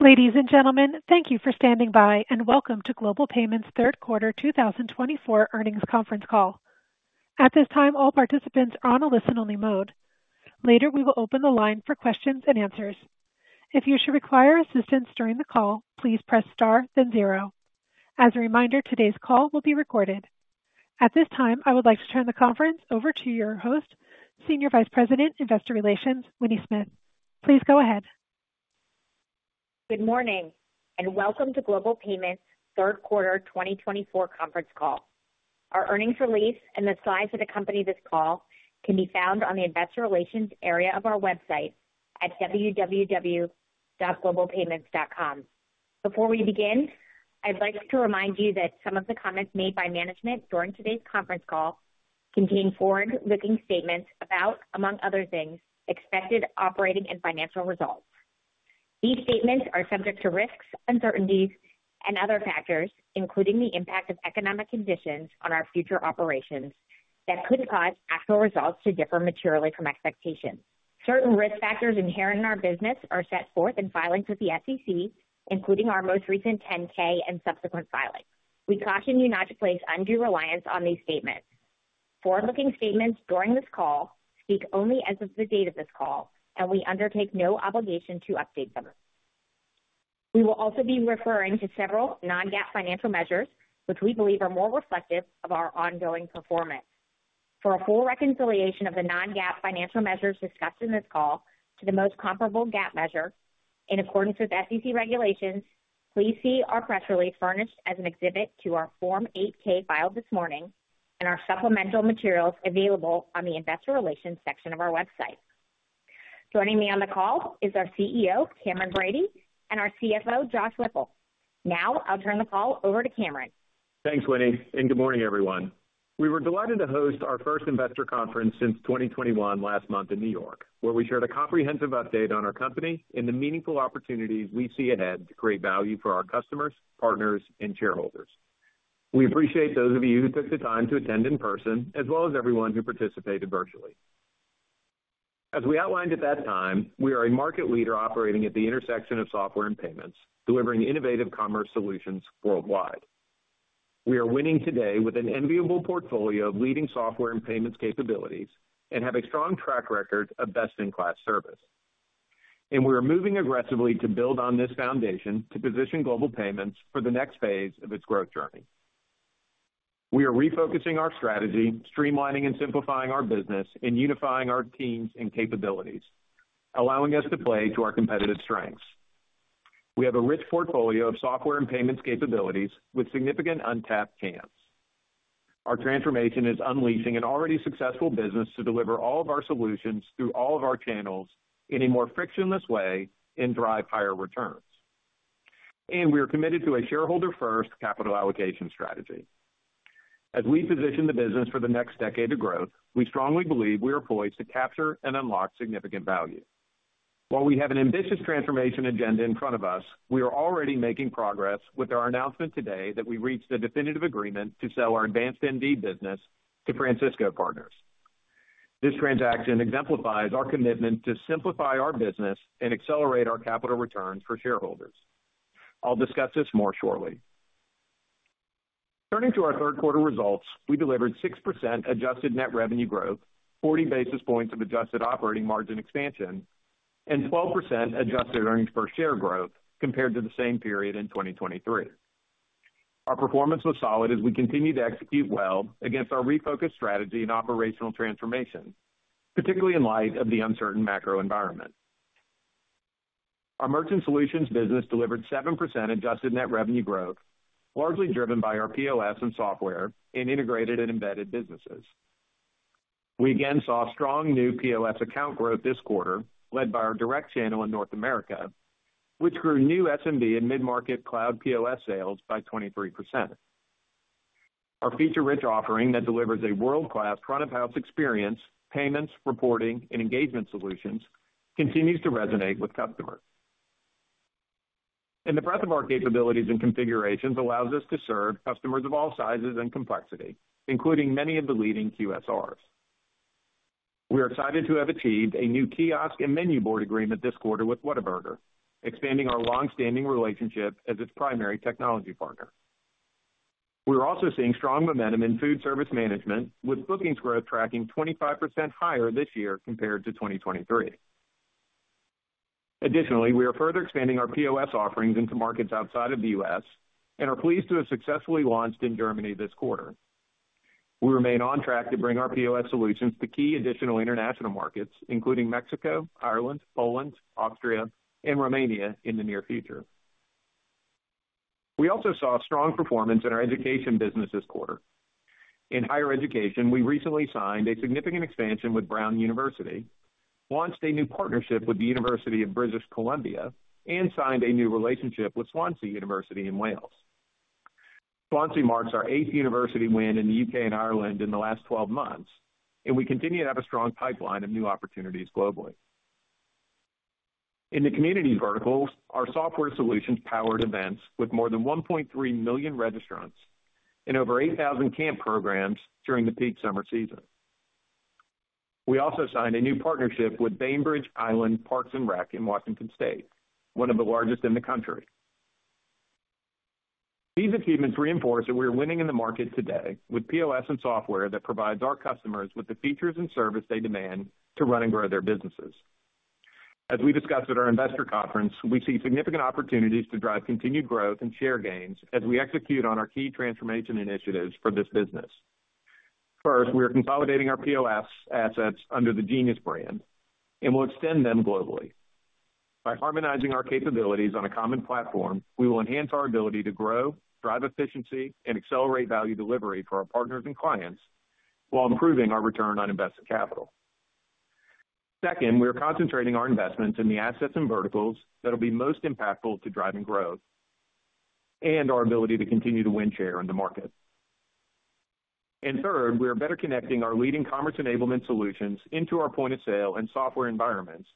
Ladies and gentlemen, thank you for standing by and welcome to Global Payments' Third Quarter 2024 earnings conference call. At this time, all participants are on a listen-only mode. Later, we will open the line for questions and answers. If you should require assistance during the call, please press star, then zero. As a reminder, today's call will be recorded. At this time, I would like to turn the conference over to your host, Senior Vice President, Investor Relations, Winnie Smith. Please go ahead. Good morning and welcome to Global Payments' Third Quarter 2024 conference call. Our earnings release and the slides that accompany this call can be found on the Investor Relations area of our website at www.globalpayments.com. Before we begin, I'd like to remind you that some of the comments made by management during today's conference call contain forward-looking statements about, among other things, expected operating and financial results. These statements are subject to risks, uncertainties, and other factors, including the impact of economic conditions on our future operations that could cause actual results to differ materially from expectations. Certain risk factors inherent in our business are set forth in filings with the SEC, including our most recent 10-K and subsequent filings. We caution you not to place undue reliance on these statements. Forward-looking statements during this call speak only as of the date of this call, and we undertake no obligation to update them. We will also be referring to several non-GAAP financial measures, which we believe are more reflective of our ongoing performance. For a full reconciliation of the non-GAAP financial measures discussed in this call to the most comparable GAAP measure in accordance with SEC regulations, please see our press release furnished as an exhibit to our Form 8-K filed this morning and our supplemental materials available on the Investor Relations section of our website. Joining me on the call is our CEO, Cameron Bready, and our CFO, Josh Whipple. Now, I'll turn the call over to Cameron. Thanks, Winnie, and good morning, everyone. We were delighted to host our first investor conference since 2021 last month in New York, where we shared a comprehensive update on our company and the meaningful opportunities we see ahead to create value for our customers, partners, and shareholders. We appreciate those of you who took the time to attend in person, as well as everyone who participated virtually. As we outlined at that time, we are a market leader operating at the intersection of software and payments, delivering innovative commerce solutions worldwide. We are winning today with an enviable portfolio of leading software and payments capabilities and have a strong track record of best-in-class service, and we are moving aggressively to build on this foundation to position Global Payments for the next phase of its growth journey. We are refocusing our strategy, streamlining and simplifying our business, and unifying our teams and capabilities, allowing us to play to our competitive strengths. We have a rich portfolio of software and payments capabilities with significant untapped chance. Our transformation is unleashing an already successful business to deliver all of our solutions through all of our channels in a more frictionless way and drive higher returns. And we are committed to a shareholder-first capital allocation strategy. As we position the business for the next decade of growth, we strongly believe we are poised to capture and unlock significant value. While we have an ambitious transformation agenda in front of us, we are already making progress with our announcement today that we reached a definitive agreement to sell our AdvancedMD business to Francisco Partners. This transaction exemplifies our commitment to simplify our business and accelerate our capital returns for shareholders. I'll discuss this more shortly. Turning to our third-quarter results, we delivered 6% adjusted net revenue growth, 40 basis points of adjusted operating margin expansion, and 12% adjusted earnings per share growth compared to the same period in 2023. Our performance was solid as we continued to execute well against our refocused strategy and operational transformation, particularly in light of the uncertain macro environment. Our Merchant solutions business delivered 7% adjusted net revenue growth, largely driven by our POS and software and integrated and embedded businesses. We again saw strong new POS account growth this quarter, led by our direct channel in North America, which grew new SMB and mid-market cloud POS sales by 23%. Our feature-rich offering that delivers a world-class front-of-house experience, payments, reporting, and engagement solutions continues to resonate with customers. The breadth of our capabilities and configurations allows us to serve customers of all sizes and complexity, including many of the leading QSRs. We are excited to have achieved a new kiosk and menu board agreement this quarter with Whataburger, expanding our long-standing relationship as its primary technology partner. We are also seeing strong momentum in food service management, with bookings growth tracking 25% higher this year compared to 2023. Additionally, we are further expanding our POS offerings into markets outside of the U.S. and are pleased to have successfully launched in Germany this quarter. We remain on track to bring our POS solutions to key additional international markets, including Mexico, Ireland, Poland, Austria, and Romania in the near future. We also saw strong performance in our education business this quarter. In higher education, we recently signed a significant expansion with Brown University, launched a new partnership with the University of British Columbia, and signed a new relationship with Swansea University in Wales. Swansea marks our eighth university win in the UK and Ireland in the last 12 months, and we continue to have a strong pipeline of new opportunities globally. In the community verticals, our software solutions powered events with more than 1.3 million registrants and over 8,000 camp programs during the peak summer season. We also signed a new partnership with Bainbridge Island Parks and Rec in Washington State, one of the largest in the country. These achievements reinforce that we are winning in the market today with POS and software that provides our customers with the features and service they demand to run and grow their businesses. As we discussed at our investor conference, we see significant opportunities to drive continued growth and share gains as we execute on our key transformation initiatives for this business. First, we are consolidating our POS assets under the Genius brand and will extend them globally. By harmonizing our capabilities on a common platform, we will enhance our ability to grow, drive efficiency, and accelerate value delivery for our partners and clients while improving our return on invested capital. Second, we are concentrating our investments in the assets and verticals that will be most impactful to driving growth and our ability to continue to win share in the market. And third, we are better connecting our leading commerce enablement solutions into our point of sale and software environments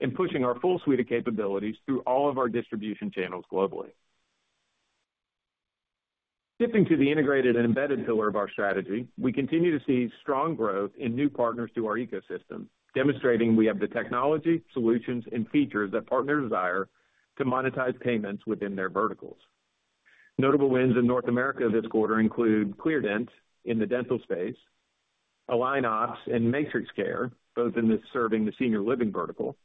and pushing our full suite of capabilities through all of our distribution channels globally. Shifting to the integrated and embedded pillar of our strategy, we continue to see strong growth in new partners to our ecosystem, demonstrating we have the technology, solutions, and features that partners desire to monetize payments within their verticals. Notable wins in North America this quarter include ClearDent in the dental space, AlignOps and MatrixCare, both in this serving the senior living vertical,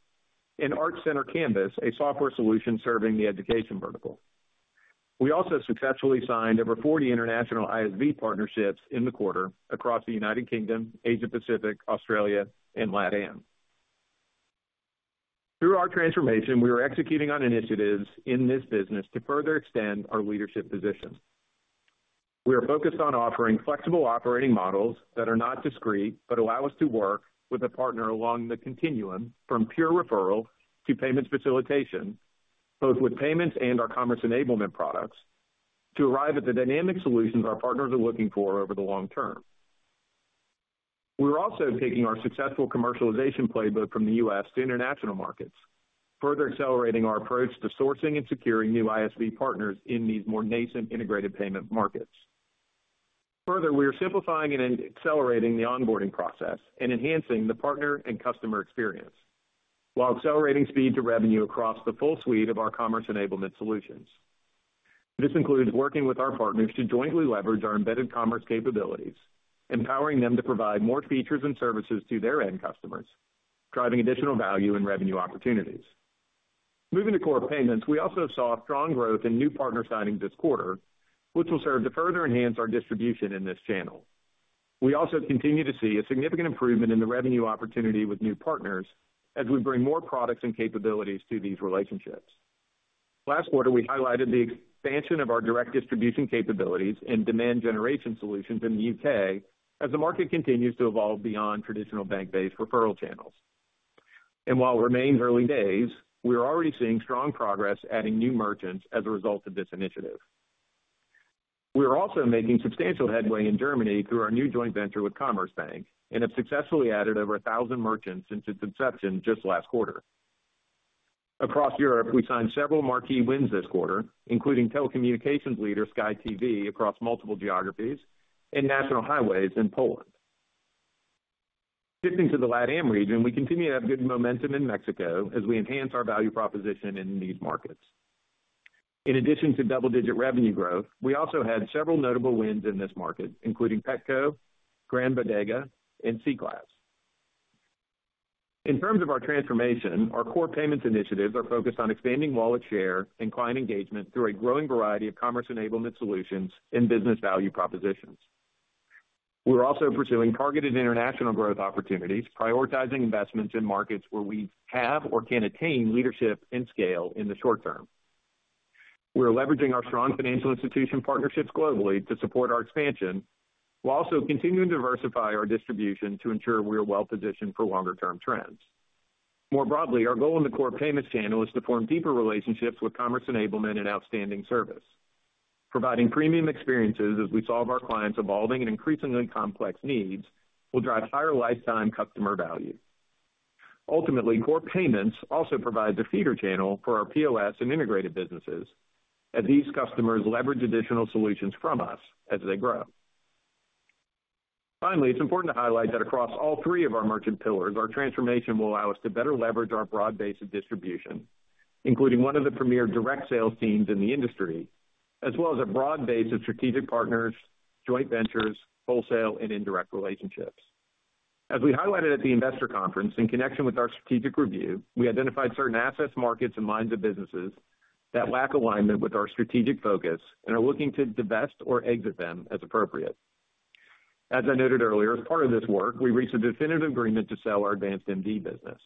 and ArtCenter Canvas, a software solution serving the education vertical. We also successfully signed over 40 international ISV partnerships in the quarter across the United Kingdom, Asia Pacific, Australia, and LatAm. Through our transformation, we are executing on initiatives in this business to further extend our leadership position. We are focused on offering flexible operating models that are not discrete but allow us to work with a partner along the continuum from pure referral to payments facilitation, both with payments and our commerce enablement products, to arrive at the dynamic solutions our partners are looking for over the long term. We are also taking our successful commercialization playbook from the U.S. to international markets, further accelerating our approach to sourcing and securing new ISV partners in these more nascent integrated payment markets. Further, we are simplifying and accelerating the onboarding process and enhancing the partner and customer experience while accelerating speed to revenue across the full suite of our commerce enablement solutions. This includes working with our partners to jointly leverage our embedded commerce capabilities, empowering them to provide more features and services to their end customers, driving additional value and revenue opportunities. Moving to core payments, we also saw strong growth in new partner signings this quarter, which will serve to further enhance our distribution in this channel. We also continue to see a significant improvement in the revenue opportunity with new partners as we bring more products and capabilities to these relationships. Last quarter, we highlighted the expansion of our direct distribution capabilities and demand generation solutions in the U.K. as the market continues to evolve beyond traditional bank-based referral channels. And while it remains early days, we are already seeing strong progress adding new Merchants as a result of this initiative. We are also making substantial headway in Germany through our new joint venture with Commerzbank and have successfully added over 1,000 Merchants since its inception just last quarter. Across Europe, we signed several marquee wins this quarter, including telecommunications leader Sky TV across multiple geographies and National Highways in Poland. Shifting to the LatAm region, we continue to have good momentum in Mexico as we enhance our value proposition in these markets. In addition to double-digit revenue growth, we also had several notable wins in this market, including Petco, Gran Bodega, and Cklass. In terms of our transformation, our core payments initiatives are focused on expanding wallet share and client engagement through a growing variety of commerce enablement solutions and business value propositions. We are also pursuing targeted international growth opportunities, prioritizing investments in markets where we have or can attain leadership and scale in the short term. We are leveraging our strong financial institution partnerships globally to support our expansion while also continuing to diversify our distribution to ensure we are well-positioned for longer-term trends. More broadly, our goal in the core payments channel is to form deeper relationships with commerce enablement and outstanding service. Providing premium experiences as we solve our clients' evolving and increasingly complex needs will drive higher lifetime customer value. Ultimately, core payments also provides a feeder channel for our POS and integrated businesses as these customers leverage additional solutions from us as they grow. Finally, it's important to highlight that across all three of our merchant pillars, our transformation will allow us to better leverage our broad base of distribution, including one of the premier direct sales teams in the industry, as well as a broad base of strategic partners, joint ventures, wholesale, and indirect relationships. As we highlighted at the investor conference in connection with our strategic review, we identified certain assets, markets, and lines of businesses that lack alignment with our strategic focus and are looking to divest or exit them as appropriate. As I noted earlier, as part of this work, we reached a definitive agreement to sell our AdvancedMD business.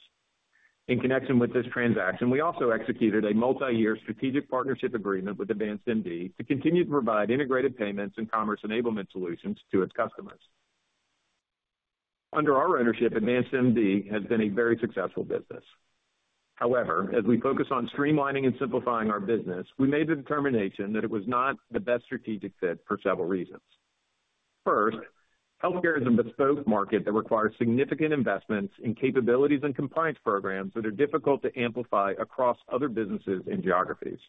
In connection with this transaction, we also executed a multi-year strategic partnership agreement with AdvancedMD to continue to provide integrated payments and commerce enablement solutions to its customers. Under our ownership, AdvancedMD has been a very successful business. However, as we focus on streamlining and simplifying our business, we made the determination that it was not the best strategic fit for several reasons. First, healthcare is a bespoke market that requires significant investments in capabilities and compliance programs that are difficult to amplify across other businesses and geographies.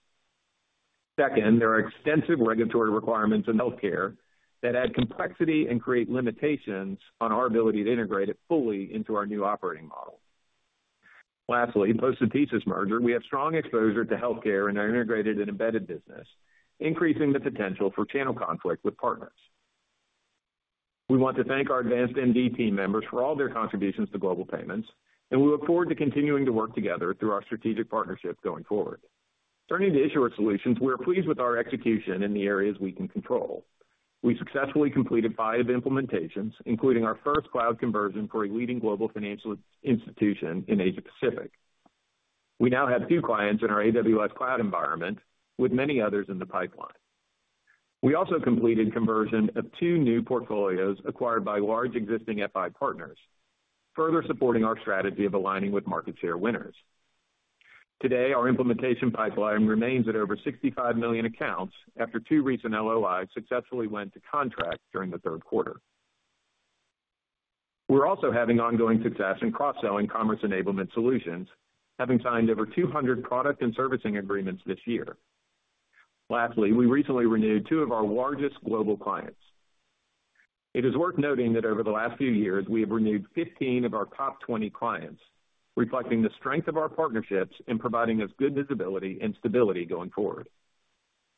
Second, there are extensive regulatory requirements in healthcare that add complexity and create limitations on our ability to integrate it fully into our new operating model. Lastly, post-TSYS merger, we have strong exposure to healthcare in our integrated and embedded business, increasing the potential for channel conflict with partners. We want to thank our AdvancedMD team members for all their contributions to Global Payments, and we look forward to continuing to work together through our strategic partnership going forward. Turning to issuer solutions, we are pleased with our execution in the areas we can control. We successfully completed five implementations, including our first cloud conversion for a leading global financial institution in Asia Pacific. We now have two clients in our AWS cloud environment, with many others in the pipeline. We also completed conversion of two new portfolios acquired by large existing FI partners, further supporting our strategy of aligning with market share winners. Today, our implementation pipeline remains at over 65 million accounts after two recent LOIs successfully went to contract during the third quarter. We're also having ongoing success in cross-selling commerce enablement solutions, having signed over 200 product and servicing agreements this year. Lastly, we recently renewed two of our largest global clients. It is worth noting that over the last few years, we have renewed 15 of our top 20 clients, reflecting the strength of our partnerships in providing us good visibility and stability going forward.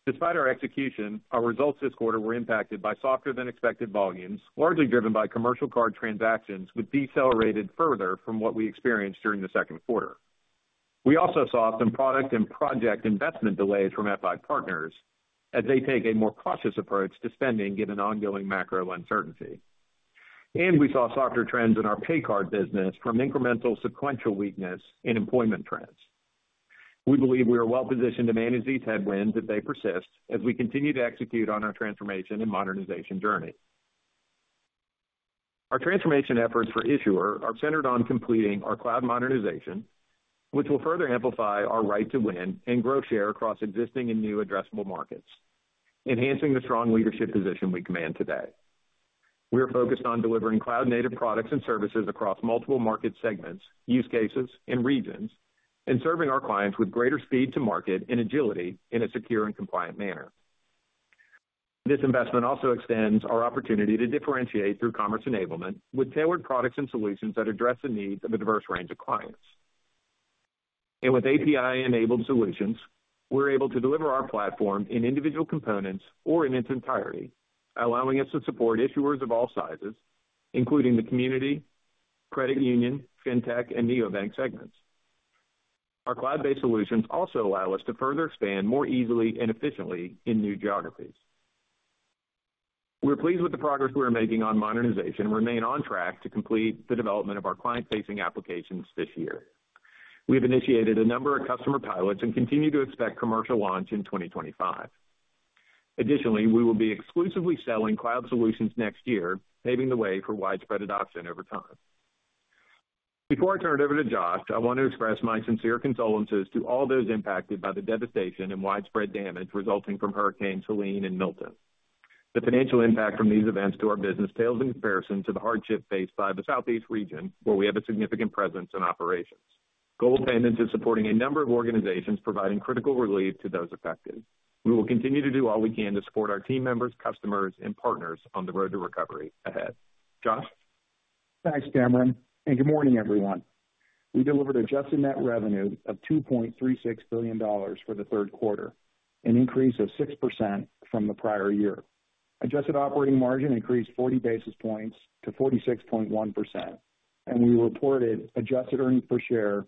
Despite our execution, our results this quarter were impacted by softer-than-expected volumes, largely driven by commercial card transactions, which decelerated further from what we experienced during the second quarter. We also saw some product and project investment delays from FI partners as they take a more cautious approach to spending given ongoing macro uncertainty, and we saw softer trends in our paycard business from incremental sequential weakness in employment trends. We believe we are well-positioned to manage these headwinds if they persist as we continue to execute on our transformation and modernization journey. Our transformation efforts for issuer are centered on completing our cloud modernization, which will further amplify our right to win and grow share across existing and new addressable markets, enhancing the strong leadership position we command today. We are focused on delivering cloud-native products and services across multiple market segments, use cases, and regions, and serving our clients with greater speed to market and agility in a secure and compliant manner. This investment also extends our opportunity to differentiate through commerce enablement with tailored products and solutions that address the needs of a diverse range of clients. And with API-enabled solutions, we're able to deliver our platform in individual components or in its entirety, allowing us to support issuers of all sizes, including the community, credit union, fintech, and neobank segments. Our cloud-based solutions also allow us to further expand more easily and efficiently in new geographies. We're pleased with the progress we are making on modernization and remain on track to complete the development of our client-facing applications this year. We have initiated a number of customer pilots and continue to expect commercial launch in 2025. Additionally, we will be exclusively selling cloud solutions next year, paving the way for widespread adoption over time. Before I turn it over to Josh, I want to express my sincere condolences to all those impacted by the devastation and widespread damage resulting from Hurricane Helene and Milton. The financial impact from these events to our business pales in comparison to the hardship faced by the Southeast region, where we have a significant presence in operations. Global Payments is supporting a number of organizations, providing critical relief to those affected. We will continue to do all we can to support our team members, customers, and partners on the road to recovery ahead. Josh? Thanks, Cameron, and good morning, everyone. We delivered adjusted net revenue of $2.36 billion for the third quarter, an increase of 6% from the prior year. Adjusted operating margin increased 40 basis points to 46.1%, and we reported adjusted earnings per share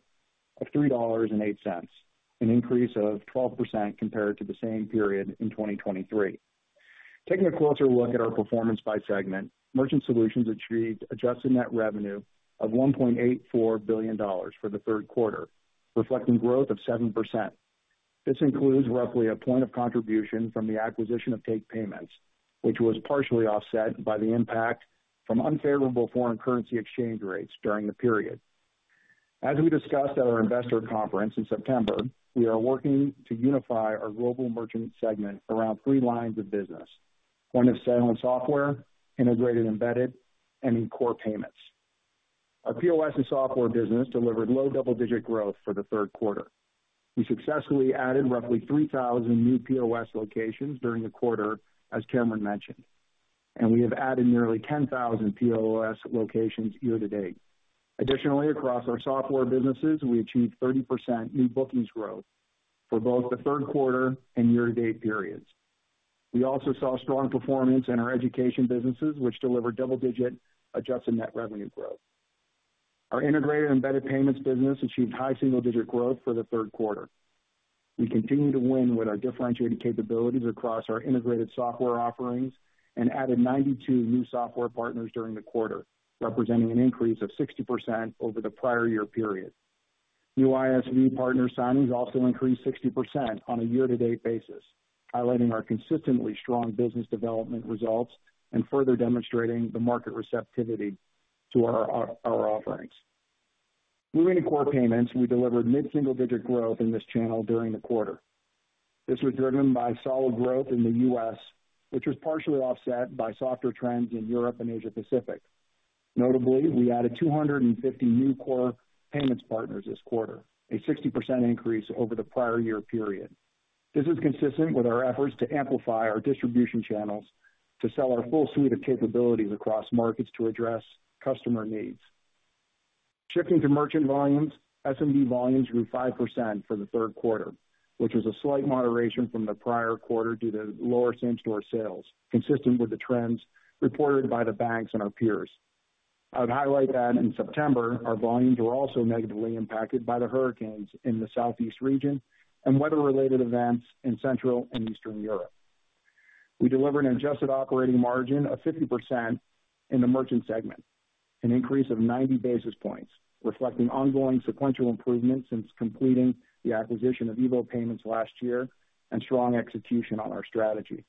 of $3.08, an increase of 12% compared to the same period in 2023. Taking a closer look at our performance by segment, merchant solutions achieved adjusted net revenue of $1.84 billion for the third quarter, reflecting growth of 7%. This includes roughly a point of contribution from the acquisition of Takepayments, which was partially offset by the impact from unfavorable foreign currency exchange rates during the period. As we discussed at our investor conference in September, we are working to unify our global merchant segment around three lines of business: point of sale and software, integrated and embedded, and core payments. Our POS and software business delivered low double-digit growth for the third quarter. We successfully added roughly 3,000 new POS locations during the quarter, as Cameron mentioned, and we have added nearly 10,000 POS locations year-to-date. Additionally, across our software businesses, we achieved 30% new bookings growth for both the third quarter and year-to-date periods. We also saw strong performance in our education businesses, which delivered double-digit adjusted net revenue growth. Our integrated and embedded payments business achieved high single-digit growth for the third quarter. We continue to win with our differentiated capabilities across our integrated software offerings and added 92 new software partners during the quarter, representing an increase of 60% over the prior year period. New ISV partner signings also increased 60% on a year-to-date basis, highlighting our consistently strong business development results and further demonstrating the market receptivity to our offerings. Moving to core payments, we delivered mid-single-digit growth in this channel during the quarter. This was driven by solid growth in the U.S., which was partially offset by softer trends in Europe and Asia Pacific. Notably, we added 250 new core payments partners this quarter, a 60% increase over the prior year period. This is consistent with our efforts to amplify our distribution channels to sell our full suite of capabilities across markets to address customer needs. Shifting to merchant volumes, SMB volumes grew 5% for the third quarter, which was a slight moderation from the prior quarter due to lower same-store sales, consistent with the trends reported by the banks and our peers. I would highlight that in September, our volumes were also negatively impacted by the hurricanes in the Southeast region and weather-related events in Central and Eastern Europe. We delivered an adjusted operating margin of 50% in the merchant segment, an increase of 90 basis points, reflecting ongoing sequential improvements since completing the acquisition of EVO Payments last year and strong execution on our strategy.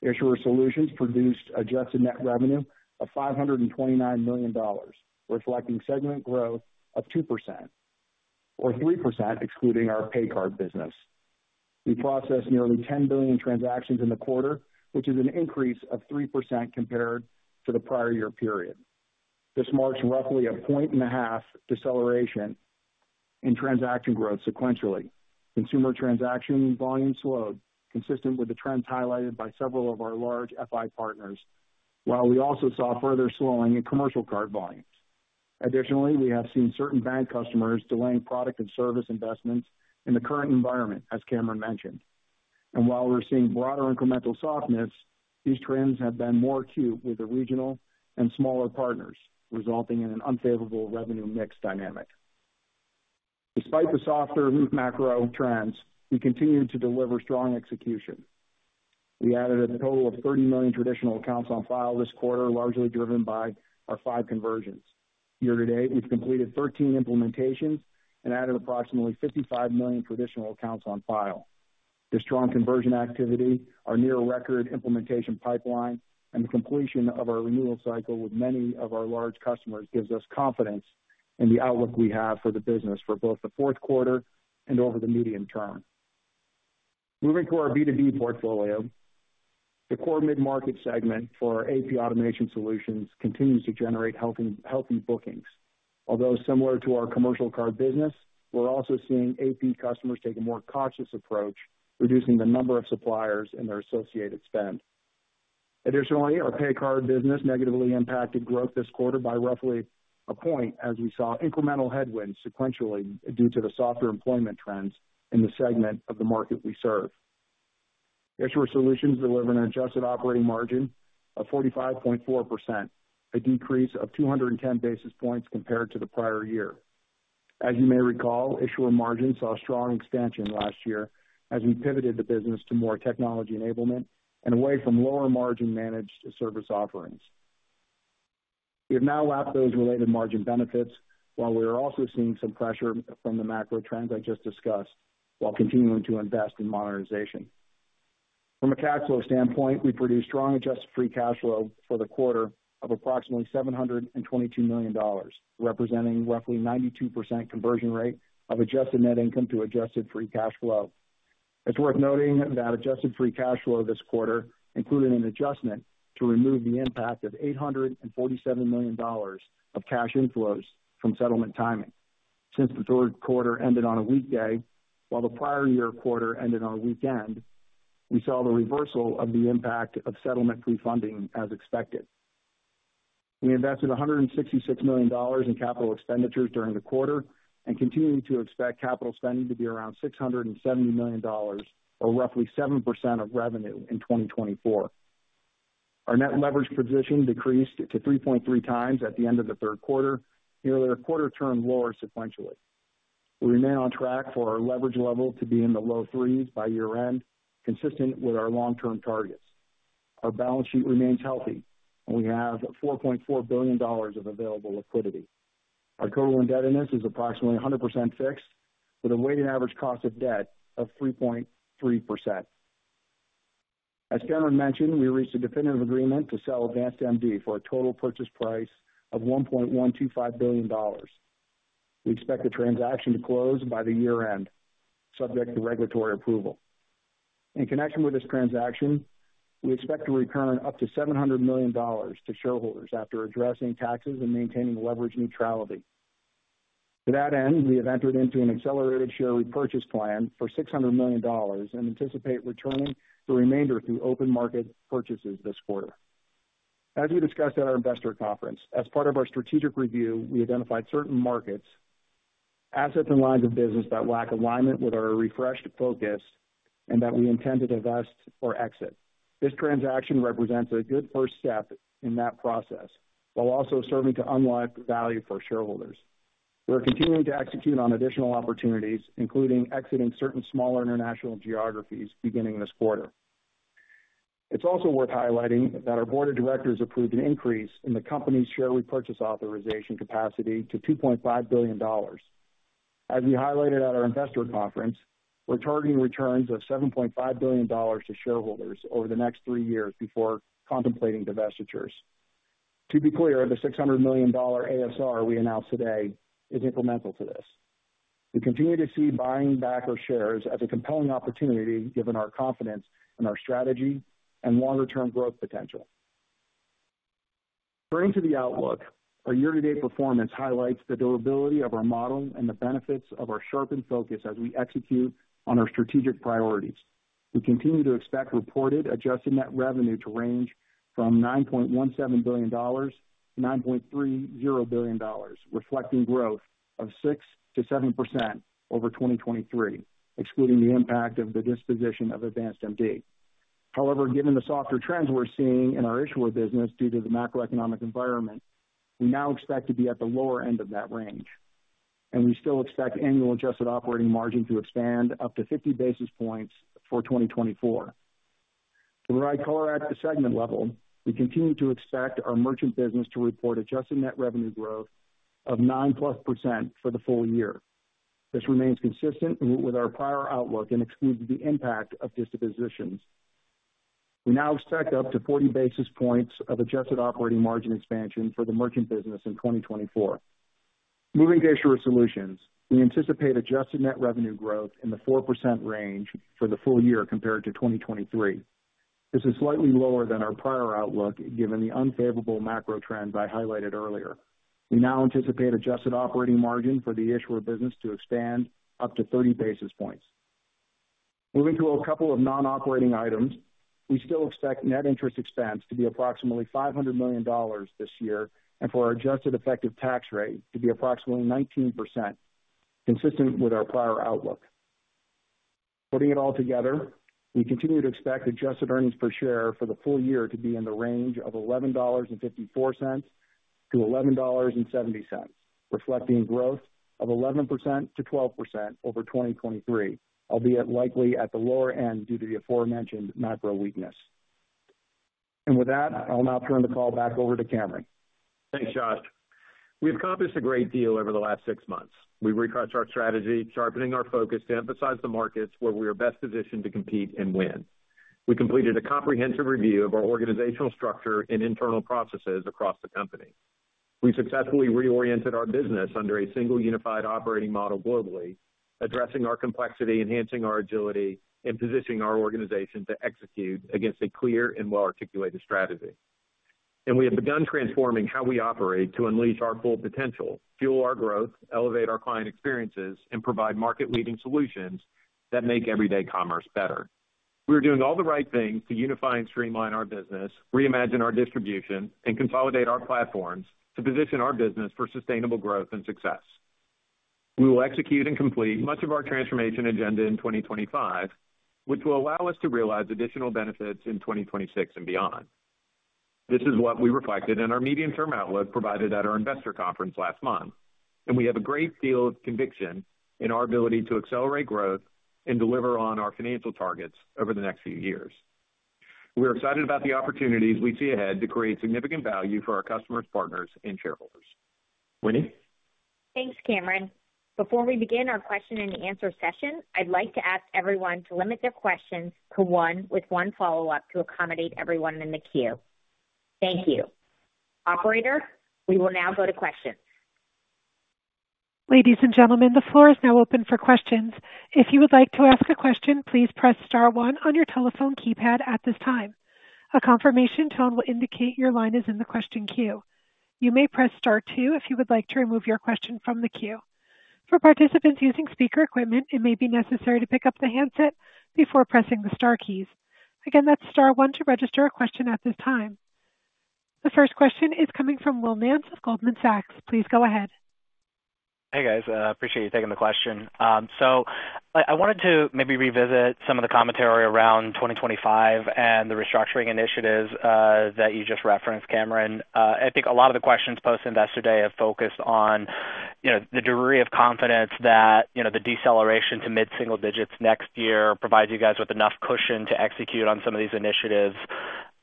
Issuer solutions produced adjusted net revenue of $529 million, reflecting segment growth of 2% or 3% excluding our paycard business. We processed nearly 10 billion transactions in the quarter, which is an increase of 3% compared to the prior year period. This marks roughly a point-and-a-half deceleration in transaction growth sequentially. Consumer transaction volume slowed, consistent with the trends highlighted by several of our large FI partners, while we also saw further slowing in commercial card volumes. Additionally, we have seen certain bank customers delaying product and service investments in the current environment, as Cameron mentioned, and while we're seeing broader incremental softness, these trends have been more acute with the regional and smaller partners, resulting in an unfavorable revenue mix dynamic. Despite the softer macro trends, we continue to deliver strong execution. We added a total of 30 million traditional accounts on file this quarter, largely driven by our five conversions. Year-to-date, we've completed 13 implementations and added approximately 55 million traditional accounts on file. This strong conversion activity, our near-record implementation pipeline, and the completion of our renewal cycle with many of our large customers gives us confidence in the outlook we have for the business for both the fourth quarter and over the medium term. Moving to our B2B portfolio, the core mid-market segment for our AP automation solutions continues to generate healthy bookings. Although similar to our commercial card business, we're also seeing AP customers take a more cautious approach, reducing the number of suppliers and their associated spend. Additionally, our paycard business negatively impacted growth this quarter by roughly a point, as we saw incremental headwinds sequentially due to the softer employment trends in the segment of the market we serve. Issuer solutions delivered an adjusted operating margin of 45.4%, a decrease of 210 basis points compared to the prior year. As you may recall, issuer margins saw strong expansion last year as we pivoted the business to more technology enablement and away from lower margin managed service offerings. We have now wrapped those related margin benefits, while we are also seeing some pressure from the macro trends I just discussed, while continuing to invest in modernization. From a cash flow standpoint, we produced strong adjusted free cash flow for the quarter of approximately $722 million, representing roughly 92% conversion rate of adjusted net income to adjusted free cash flow. It's worth noting that adjusted free cash flow this quarter included an adjustment to remove the impact of $847 million of cash inflows from settlement timing. Since the third quarter ended on a weekday, while the prior year quarter ended on a weekend, we saw the reversal of the impact of settlement refunding as expected. We invested $166 million in capital expenditures during the quarter and continue to expect capital spending to be around $670 million, or roughly 7% of revenue in 2024. Our net leverage position decreased to 3.3 times at the end of the third quarter, nearly a quarter turn lower sequentially. We remain on track for our leverage level to be in the low threes by year-end, consistent with our long-term targets. Our balance sheet remains healthy, and we have $4.4 billion of available liquidity. Our total indebtedness is approximately 100% fixed, with a weighted average cost of debt of 3.3%. As Cameron mentioned, we reached a definitive agreement to sell AdvancedMD for a total purchase price of $1.125 billion. We expect the transaction to close by the year-end, subject to regulatory approval. In connection with this transaction, we expect to return up to $700 million to shareholders after addressing taxes and maintaining leverage neutrality. To that end, we have entered into an accelerated share repurchase plan for $600 million and anticipate returning the remainder through open market purchases this quarter. As we discussed at our investor conference, as part of our strategic review, we identified certain markets, assets, and lines of business that lack alignment with our refreshed focus and that we intend to divest or exit. This transaction represents a good first step in that process, while also serving to unlock value for shareholders. We're continuing to execute on additional opportunities, including exiting certain smaller international geographies beginning this quarter. It's also worth highlighting that our board of directors approved an increase in the company's share repurchase authorization capacity to $2.5 billion. As we highlighted at our investor conference, we're targeting returns of $7.5 billion to shareholders over the next three years before contemplating divestitures. To be clear, the $600 million ASR we announced today is incremental to this. We continue to see buying back our shares as a compelling opportunity given our confidence in our strategy and longer-term growth potential. Turning to the outlook, our year-to-date performance highlights the durability of our model and the benefits of our sharpened focus as we execute on our strategic priorities. We continue to expect reported adjusted net revenue to range from $9.17 billion-$9.30 billion, reflecting growth of 6%-7% over 2023, excluding the impact of the disposition of AdvancedMD. However, given the softer trends we're seeing in our issuer business due to the macroeconomic environment, we now expect to be at the lower end of that range. We still expect annual adjusted operating margin to expand up to 50 basis points for 2024. To provide color at the segment level, we continue to expect our merchant business to report adjusted net revenue growth of 9% plus for the full year. This remains consistent with our prior outlook and excludes the impact of dispositions. We now expect up to 40 basis points of adjusted operating margin expansion for the merchant business in 2024. Moving to issuer solutions, we anticipate adjusted net revenue growth in the 4% range for the full year compared to 2023. This is slightly lower than our prior outlook given the unfavorable macro trend I highlighted earlier. We now anticipate adjusted operating margin for the issuer business to expand up to 30 basis points. Moving to a couple of non-operating items, we still expect net interest expense to be approximately $500 million this year and for our adjusted effective tax rate to be approximately 19%, consistent with our prior outlook. Putting it all together, we continue to expect adjusted earnings per share for the full year to be in the range of $11.54-$11.70, reflecting growth of 11%-12% over 2023, albeit likely at the lower end due to the aforementioned macro weakness. And with that, I'll now turn the call back over to Cameron. Thanks, Josh. We've accomplished a great deal over the last six months. We've recast our strategy, sharpening our focus to emphasize the markets where we are best positioned to compete and win. We completed a comprehensive review of our organizational structure and internal processes across the company. We successfully reoriented our business under a single unified operating model globally, addressing our complexity, enhancing our agility, and positioning our organization to execute against a clear and well-articulated strategy. And we have begun transforming how we operate to unleash our full potential, fuel our growth, elevate our client experiences, and provide market-leading solutions that make everyday commerce better. We are doing all the right things to unify and streamline our business, reimagine our distribution, and consolidate our platforms to position our business for sustainable growth and success. We will execute and complete much of our transformation agenda in 2025, which will allow us to realize additional benefits in 2026 and beyond. This is what we reflected in our medium-term outlook provided at our investor conference last month, and we have a great deal of conviction in our ability to accelerate growth and deliver on our financial targets over the next few years. We are excited about the opportunities we see ahead to create significant value for our customers, partners, and shareholders. Winnie? Thanks, Cameron. Before we begin our question-and-answer session, I'd like to ask everyone to limit their questions to one with one follow-up to accommodate everyone in the queue. Thank you. Operator, we will now go to questions. Ladies and gentlemen, the floor is now open for questions. If you would like to ask a question, please press star one on your telephone keypad at this time. A confirmation tone will indicate your line is in the question queue. You may press star two if you would like to remove your question from the queue. For participants using speaker equipment, it may be necessary to pick up the handset before pressing the Star keys. Again, that's star one to register a question at this time. The first question is coming from Will Nance of Goldman Sachs. Please go ahead. Hey, guys. Appreciate you taking the question. So I wanted to maybe revisit some of the commentary around 2025 and the restructuring initiatives that you just referenced, Cameron. I think a lot of the questions post-investor day have focused on the degree of confidence that the deceleration to mid-single digits next year provides you guys with enough cushion to execute on some of these initiatives.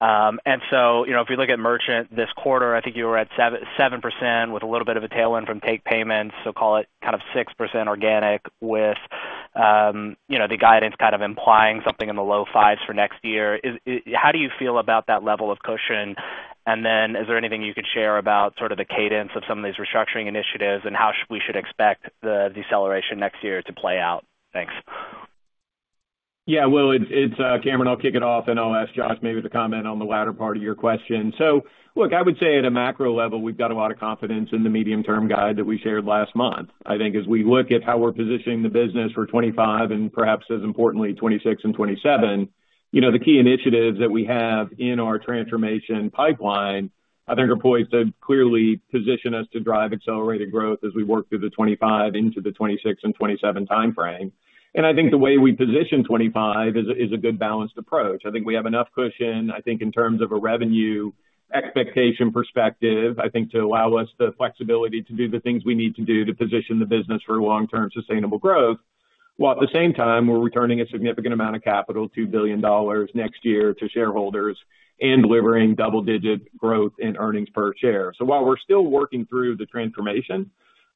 And so if we look at merchant this quarter, I think you were at 7% with a little bit of a tailwind from Takepayments, so call it kind of 6% organic with the guidance kind of implying something in the low fives for next year. How do you feel about that level of cushion? And then is there anything you could share about sort of the cadence of some of these restructuring initiatives and how we should expect the deceleration next year to play out? Thanks. Yeah, Will, it's Cameron. I'll kick it off, and I'll ask Josh maybe to comment on the latter part of your question. So look, I would say at a macro level, we've got a lot of confidence in the medium-term guide that we shared last month. I think as we look at how we're positioning the business for 2025 and perhaps as importantly, 2026 and 2027, the key initiatives that we have in our transformation pipeline, I think, are poised to clearly position us to drive accelerated growth as we work through the 2025 into the 2026 and 2027 timeframe. And I think the way we position 2025 is a good balanced approach. I think we have enough cushion, I think, in terms of a revenue expectation perspective, I think, to allow us the flexibility to do the things we need to do to position the business for long-term sustainable growth, while at the same time, we're returning a significant amount of capital, $2 billion next year to shareholders and delivering double-digit growth in earnings per share. So while we're still working through the transformation,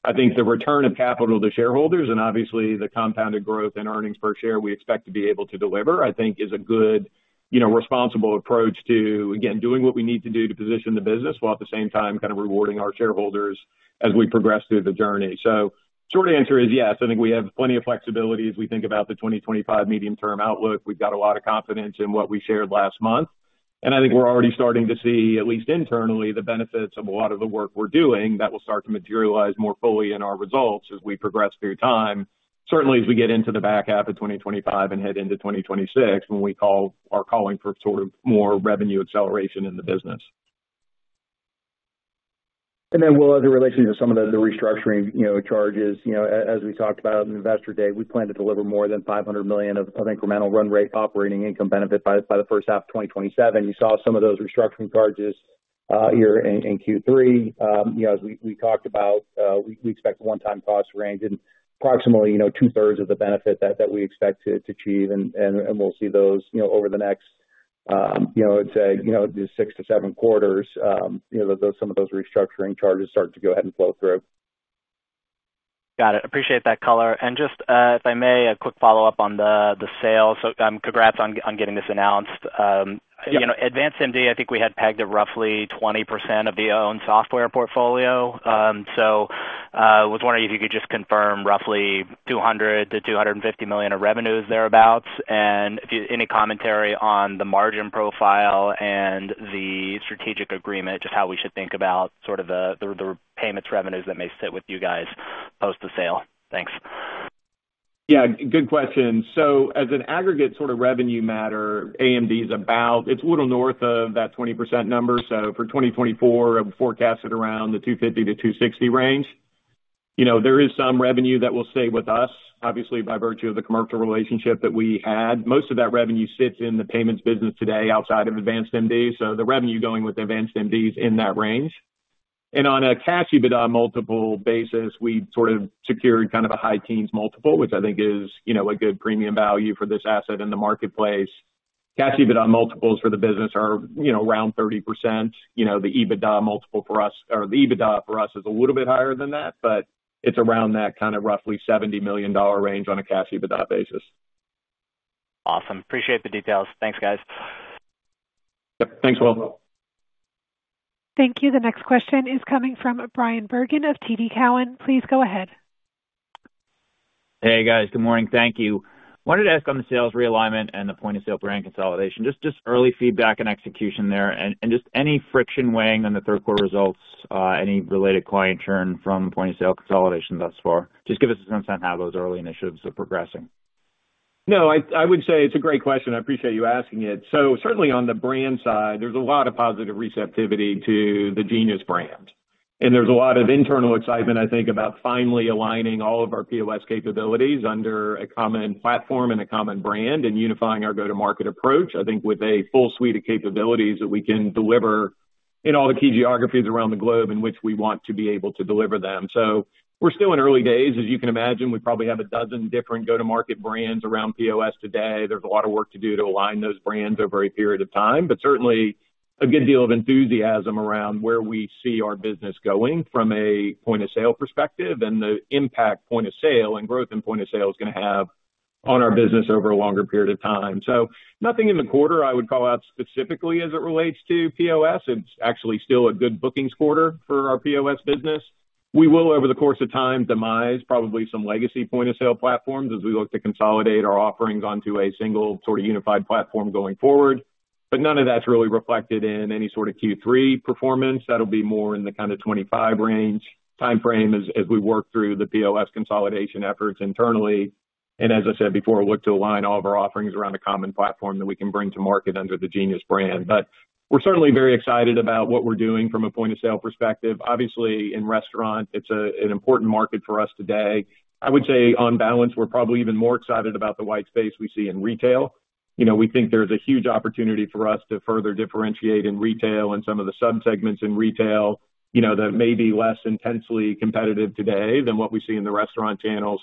I think the return of capital to shareholders and obviously the compounded growth in earnings per share we expect to be able to deliver, I think, is a good responsible approach to, again, doing what we need to do to position the business while at the same time kind of rewarding our shareholders as we progress through the journey. So short answer is yes. I think we have plenty of flexibility as we think about the 2025 medium-term outlook. We've got a lot of confidence in what we shared last month. I think we're already starting to see, at least internally, the benefits of a lot of the work we're doing that will start to materialize more fully in our results as we progress through time, certainly as we get into the back half of 2025 and head into 2026 when we are calling for sort of more revenue acceleration in the business. Then, Will, as it relates to some of the restructuring charges, as we talked about on investor day, we plan to deliver more than $500 million of incremental run rate operating income benefit by the first half of 2027. You saw some of those restructuring charges here in Q3. As we talked about, we expect a one-time cost range in approximately two-thirds of the benefit that we expect to achieve. We'll see those over the next, I'd say, six to seven quarters, some of those restructuring charges start to go ahead and flow through. Got it. Appreciate that color. Just, if I may, a quick follow-up on the sales. So congrats on getting this announced. AdvancedMD, I think we had pegged at roughly 20% of the own software portfolio. So I was wondering if you could just confirm roughly $200 million-$250 million of revenues, thereabouts, and any commentary on the margin profile and the strategic agreement, just how we should think about sort of the payments revenues that may sit with you guys post the sale. Thanks. Yeah, good question. So as an aggregate sort of revenue matter, AdvancedMD's about it's a little north of that 20% number. So for 2024, I would forecast it around the $250 million-$260 million range. There is some revenue that will stay with us, obviously, by virtue of the commercial relationship that we had. Most of that revenue sits in the payments business today outside of AdvancedMD. So the revenue going with AdvancedMD is in that range. And on a cash EBITDA multiple basis, we've sort of secured kind of a high teens multiple, which I think is a good premium value for this asset in the marketplace. Cash EBITDA multiples for the business are around 30%. The EBITDA multiple for us or the EBITDA for us is a little bit higher than that, but it's around that kind of roughly $70 million range on a cash EBITDA basis. Awesome. Appreciate the details. Thanks, guys. Yep. Thanks, Will. Thank you. The next question is coming from Bryan Bergin of TD Cowen. Please go ahead. Hey, guys. Good morning. Thank you. Wanted to ask on the sales realignment and the point-of-sale brand consolidation. Just early feedback and execution there and just any friction weighing on the third-quarter results, any related client churn from point-of-sale consolidation thus far. Just give us a sense on how those early initiatives are progressing. No, I would say it's a great question. I appreciate you asking it. So certainly on the brand side, there's a lot of positive receptivity to the Genius brand. And there's a lot of internal excitement, I think, about finally aligning all of our POS capabilities under a common platform and a common brand and unifying our go-to-market approach, I think, with a full suite of capabilities that we can deliver in all the key geographies around the globe in which we want to be able to deliver them. So we're still in early days. As you can imagine, we probably have a dozen different go-to-market brands around POS today. There's a lot of work to do to align those brands over a period of time, but certainly a good deal of enthusiasm around where we see our business going from a point-of-sale perspective and the impact point-of-sale and growth in point-of-sale is going to have on our business over a longer period of time, so nothing in the quarter I would call out specifically as it relates to POS. It's actually still a good bookings quarter for our POS business. We will, over the core of time, demise probably some legacy point-of-sale platforms as we look to consolidate our offerings onto a single sort of unified platform going forward, but none of that's really reflected in any sort of Q3 performance. That'll be more in the kind of 2025 range timeframe as we work through the POS consolidation efforts internally, and as I said before, look to align all of our offerings around a common platform that we can bring to market under the Genius brand. We're certainly very excited about what we're doing from a point-of-sale perspective. Obviously, in restaurant, it's an important market for us today. I would say on balance, we're probably even more excited about the white space we see in retail. We think there's a huge opportunity for us to further differentiate in retail and some of the subsegments in retail that may be less intensely competitive today than what we see in the restaurant channel.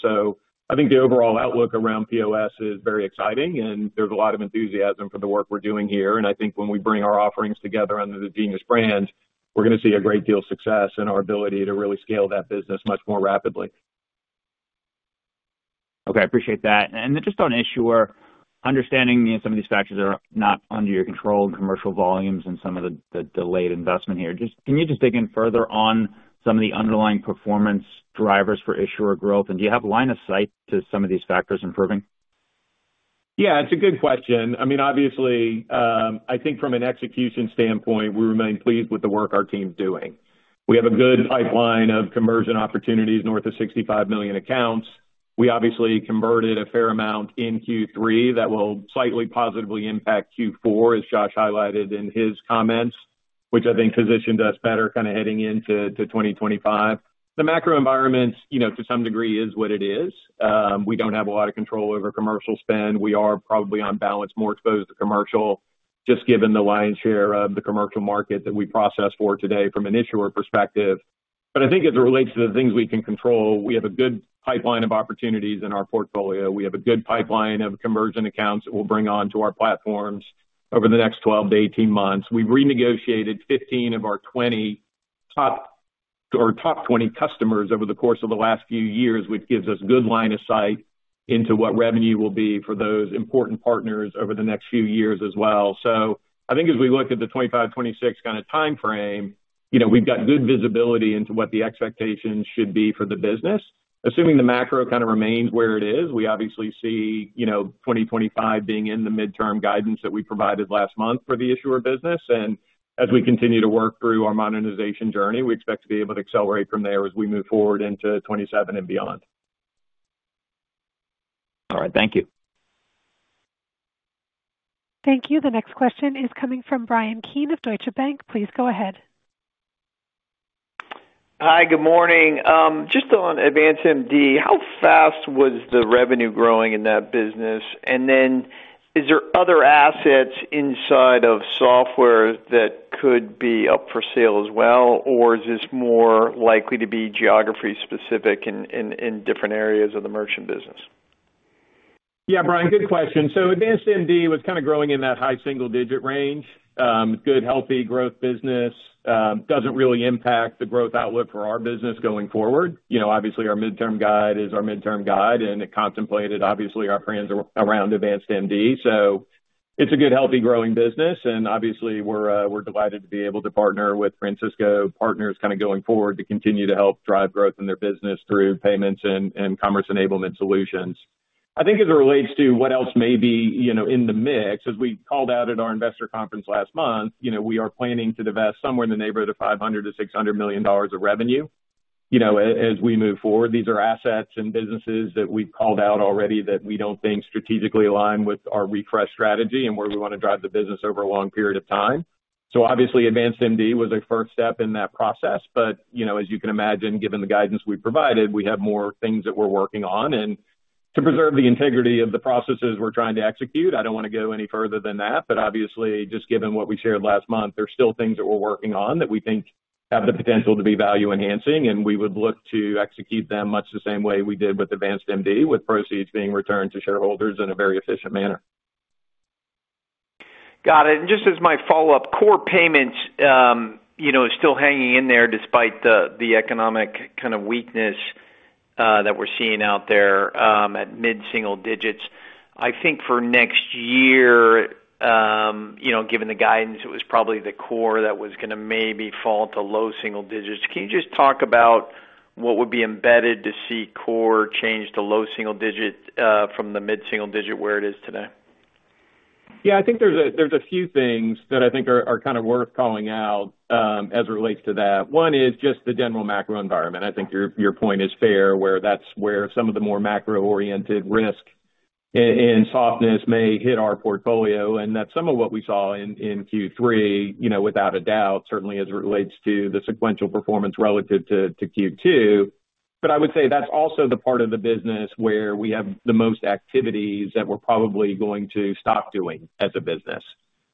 I think the overall outlook around POS is very exciting, and there's a lot of enthusiasm for the work we're doing here. And I think when we bring our offerings together under the Genius brand, we're going to see a great deal of success in our ability to really scale that business much more rapidly. Okay. Appreciate that. And then just on issuer, understanding some of these factors that are not under your control and commercial volumes and some of the delayed investment here, can you just dig in further on some of the underlying performance drivers for issuer growth? And do you have a line of sight to some of these factors improving? Yeah, it's a good question. I mean, obviously, I think from an execution standpoint, we remain pleased with the work our team's doing. We have a good pipeline of conversion opportunities north of 65 million accounts. We obviously converted a fair amount in Q3 that will slightly positively impact Q4, as Josh highlighted in his comments, which I think positions us better kind of heading into 2025. The macro environment, to some degree, is what it is. We don't have a lot of control over commercial spend. We are probably on balance more exposed to commercial, just given the lion's share of the commercial market that we process for today from an issuer perspective. But I think as it relates to the things we can control, we have a good pipeline of opportunities in our portfolio. We have a good pipeline of conversion accounts that we'll bring onto our platforms over the next 12 to 18 months. We've renegotiated 15 of our 20 top 20 customers over the core of the last few years, which gives us good line of sight into what revenue will be for those important partners over the next few years as well. So I think as we look at the 2025, 2026 kind of timeframe, we've got good visibility into what the expectations should be for the business. Assuming the macro kind of remains where it is, we obviously see 2025 being in the midterm guidance that we provided last month for the issuer business, and as we continue to work through our modernization journey, we expect to be able to accelerate from there as we move forward into 2027 and beyond. All right. Thank you. Thank you. The next question is coming from Bryan Keane of Deutsche Bank. Please go ahead. Hi, good morning. Just on AdvancedMD, how fast was the revenue growing in that business? And then is there other assets inside of software that could be up for sale as well, or is this more likely to be geography-specific in different areas of the merchant business? Yeah, Bryan, good question. So AdvancedMD was kind of growing in that high single-digit range. It's good, healthy growth business. Doesn't really impact the growth outlook for our business going forward. Obviously, our midterm guide is our midterm guide, and it contemplated, obviously, our friends around AdvancedMD. So it's a good, healthy growing business. And obviously, we're delighted to be able to partner with Francisco Partners kind of going forward to continue to help drive growth in their business through payments and commerce enablement solutions. I think as it relates to what else may be in the mix, as we called out at our investor conference last month, we are planning to divest somewhere in the neighborhood of $500-$600 million of revenue as we move forward. These are assets and businesses that we've called out already that we don't think strategically align with our refresh strategy and where we want to drive the business over a long period of time. So obviously, AdvancedMD was a first step in that process. But as you can imagine, given the guidance we provided, we have more things that we're working on. And to preserve the integrity of the processes we're trying to execute, I don't want to go any further than that. But obviously, just given what we shared last month, there's still things that we're working on that we think have the potential to be value-enhancing, and we would look to execute them much the same way we did with AdvancedMD, with proceeds being returned to shareholders in a very efficient manner. Got it. And just as my follow-up, core payments is still hanging in there despite the economic kind of weakness that we're seeing out there at mid-single digits. I think for next year, given the guidance, it was probably the core that was going to maybe fall to low single digits. Can you just talk about what would be embedded to see core change to low single digit from the mid-single digit where it is today? Yeah, I think there's a few things that I think are kind of worth calling out as it relates to that. One is just the general macro environment. I think your point is fair where that's where some of the more macro-oriented risk and softness may hit our portfolio. And that's some of what we saw in Q3, without a doubt, certainly as it relates to the sequential performance relative to Q2. But I would say that's also the part of the business where we have the most activities that we're probably going to stop doing as a business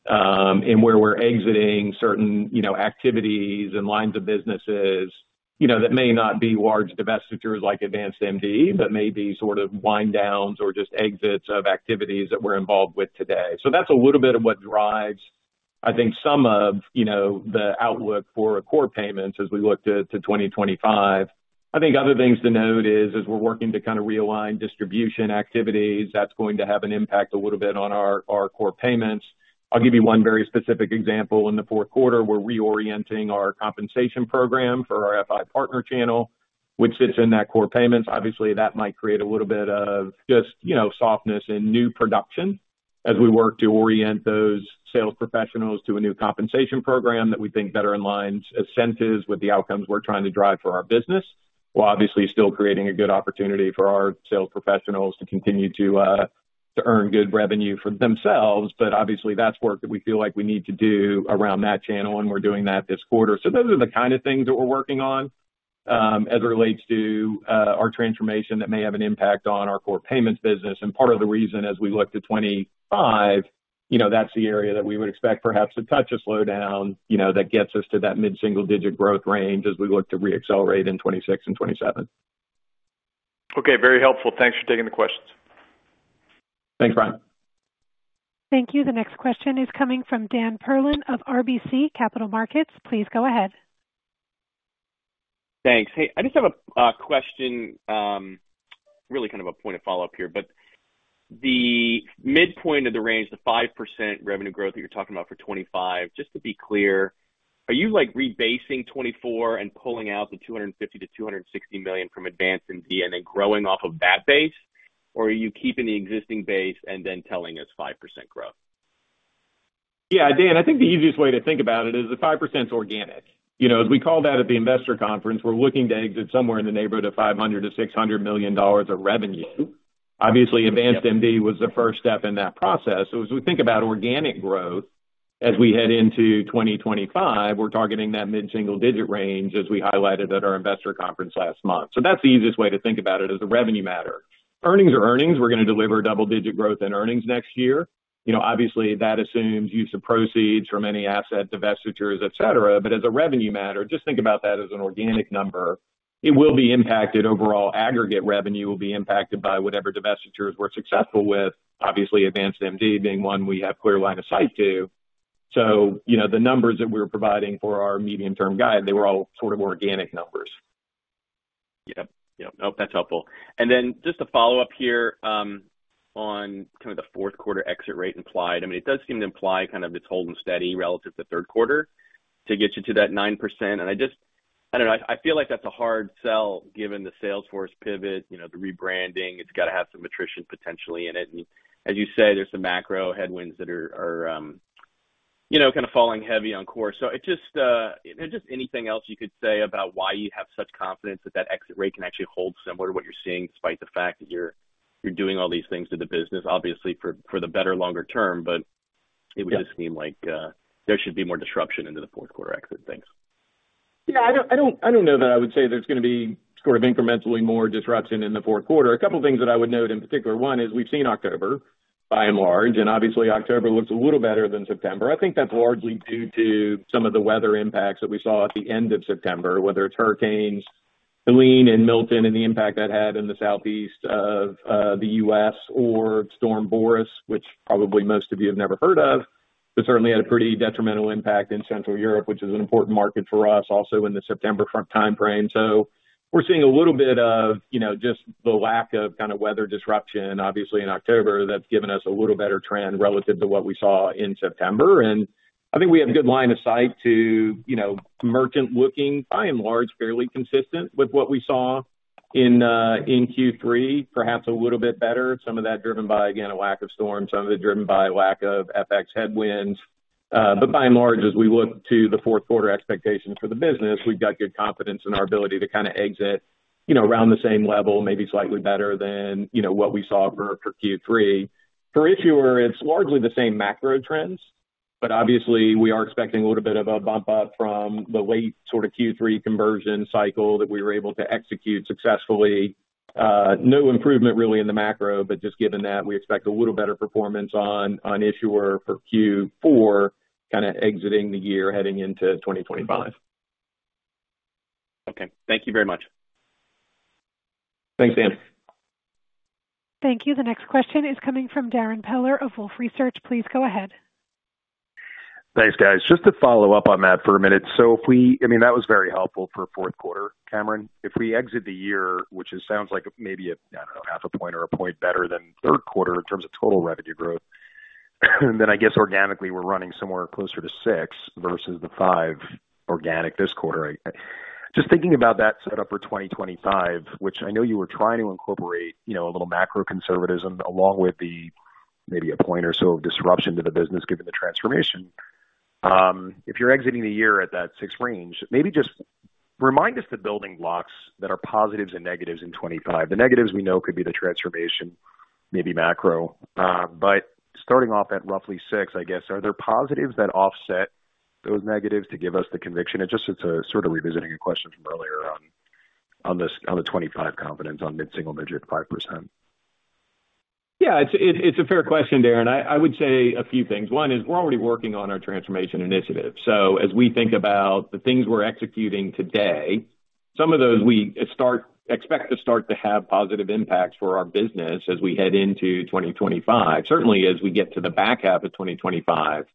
and where we're exiting certain activities and lines of businesses that may not be large divestitures like AdvancedMD, but maybe sort of wind downs or just exits of activities that we're involved with today. So that's a little bit of what drives, I think, some of the outlook for core payments as we look to 2025. I think other things to note is as we're working to kind of realign distribution activities, that's going to have an impact a little bit on our core payments. I'll give you one very specific example. In the fourth quarter, we're reorienting our compensation program for our FI Partner channel, which sits in that core payments. Obviously, that might create a little bit of just softness in new production as we work to orient those sales professionals to a new compensation program that we think better aligns incentives with the outcomes we're trying to drive for our business, while obviously still creating a good opportunity for our sales professionals to continue to earn good revenue for themselves. But obviously, that's work that we feel like we need to do around that channel, and we're doing that this quarter. So those are the kind of things that we're working on as it relates to our transformation that may have an impact on our core payments business. And part of the reason as we look to 2025, that's the area that we would expect perhaps to touch a slowdown that gets us to that mid-single digit growth range as we look to re-accelerate in 2026 and 2027. Okay. Very helpful. Thanks for taking the questions. Thanks, Bryan. Thank you. The next question is coming from Dan Perlin of RBC Capital Markets. Please go ahead. Thanks. Hey, I just have a question, really kind of a point of follow-up here. But the midpoint of the range, the 5% revenue growth that you're talking about for 2025, just to be clear, are you rebasing 2024 and pulling out the $250-$260 million from AdvancedMD and then growing off of that base, or are you keeping the existing base and then telling us 5% growth? Yeah, Dan, I think the easiest way to think about it is the 5% is organic. As we call that at the investor conference, we're looking to exit somewhere in the neighborhood of $500-$600 million of revenue. Obviously, AdvancedMD was the first step in that process. So as we think about organic growth as we head into 2025, we're targeting that mid-single digit range as we highlighted at our investor conference last month. So that's the easiest way to think about it as a revenue matter. Earnings are earnings. We're going to deliver double-digit growth in earnings next year. Obviously, that assumes use of proceeds from any asset divestitures, etc. But as a revenue matter, just think about that as an organic number. It will be impacted. Overall aggregate revenue will be impacted by whatever divestitures we're successful with, obviously AdvancedMD being one we have clear line of sight to. So the numbers that we were providing for our medium-term guide, they were all sort of organic numbers. Yep. Yep. Nope. That's helpful. And then just to follow up here on kind of the fourth quarter exit rate implied, I mean, it does seem to imply kind of it's holding steady relative to third quarter to get you to that 9%. And I don't know. I feel like that's a hard sell given the sales force pivot, the rebranding. It's got to have some attrition potentially in it. And as you say, there's some macro headwinds that are kind of falling heavy on core. So just anything else you could say about why you have such confidence that that exit rate can actually hold similar to what you're seeing despite the fact that you're doing all these things to the business, obviously for the better longer term, but it would just seem like there should be more disruption into the fourth quarter exit things. Yeah. I don't know that I would say there's going to be sort of incrementally more disruption in the fourth quarter. A couple of things that I would note in particular. One is we've seen October by and large, and obviously October looks a little better than September. I think that's largely due to some of the weather impacts that we saw at the end of September, whether it's hurricanes Helene and Milton and the impact that had in the Southeast of the U.S. or Storm Boris, which probably most of you have never heard of, but certainly had a pretty detrimental impact in Central Europe, which is an important market for us also in the September timeframe, so we're seeing a little bit of just the lack of kind of weather disruption. Obviously in October that's given us a little better trend relative to what we saw in September, and I think we have good line of sight to merchant looking, by and large, fairly consistent with what we saw in Q3, perhaps a little bit better. Some of that driven by, again, a lack of storm, some of it driven by lack of FX headwinds. But by and large, as we look to the fourth quarter expectations for the business, we've got good confidence in our ability to kind of exit around the same level, maybe slightly better than what we saw for Q3. For issuer, it's largely the same macro trends, but obviously we are expecting a little bit of a bump up from the late sort of Q3 conversion cycle that we were able to execute successfully. No improvement really in the macro, but just given that, we expect a little better performance on issuer for Q4 kind of exiting the year heading into 2025. Okay. Thank you very much. Thanks, Dan. Thank you. The next question is coming from Darren Peller of Wolfe Research. Please go ahead. Thanks, guys. Just to follow up on that for a minute. So I mean, that was very helpful for fourth quarter, Cameron. If we exit the year, which sounds like maybe a, I don't know, half a point or a point better than third quarter in terms of total revenue growth, then I guess organically we're running somewhere closer to six versus the five organic this quarter. Just thinking about that setup for 2025, which I know you were trying to incorporate a little macro conservatism along with maybe a point or so of disruption to the business given the transformation. If you're exiting the year at that six range, maybe just remind us the building blocks that are positives and negatives in 2025. The negatives we know could be the transformation, maybe macro. But starting off at roughly six, I guess, are there positives that offset those negatives to give us the conviction? It's just sort of revisiting a question from earlier on the 2025 confidence on mid-single digit 5%. Yeah. It's a fair question, Darren. I would say a few things. One is we're already working on our transformation initiative. So as we think about the things we're executing today, some of those we expect to start to have positive impacts for our business as we head into 2025. Certainly, as we get to the back half of 2025,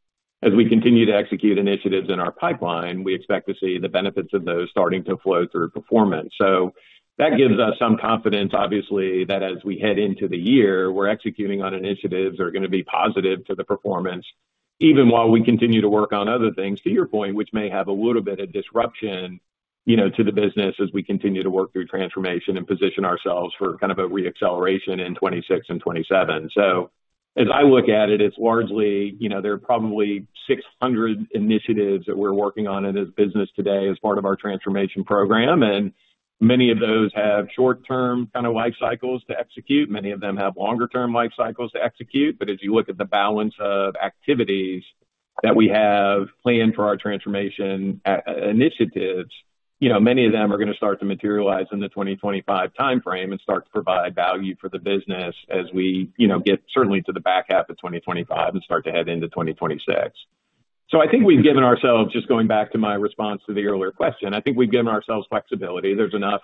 as we continue to execute initiatives in our pipeline, we expect to see the benefits of those starting to flow through performance. So that gives us some confidence, obviously, that as we head into the year, we're executing on initiatives that are going to be positive to the performance, even while we continue to work on other things, to your point, which may have a little bit of disruption to the business as we continue to work through transformation and position ourselves for kind of a reacceleration in 2026 and 2027. So as I look at it, it's largely there are probably 600 initiatives that we're working on as a business today as part of our transformation program. And many of those have short-term kind of life cycles to execute. Many of them have longer-term life cycles to execute. But as you look at the balance of activities that we have planned for our transformation initiatives, many of them are going to start to materialize in the 2025 timeframe and start to provide value for the business as we get certainly to the back half of 2025 and start to head into 2026. So I think we've given ourselves, just going back to my response to the earlier question, I think we've given ourselves flexibility. There's enough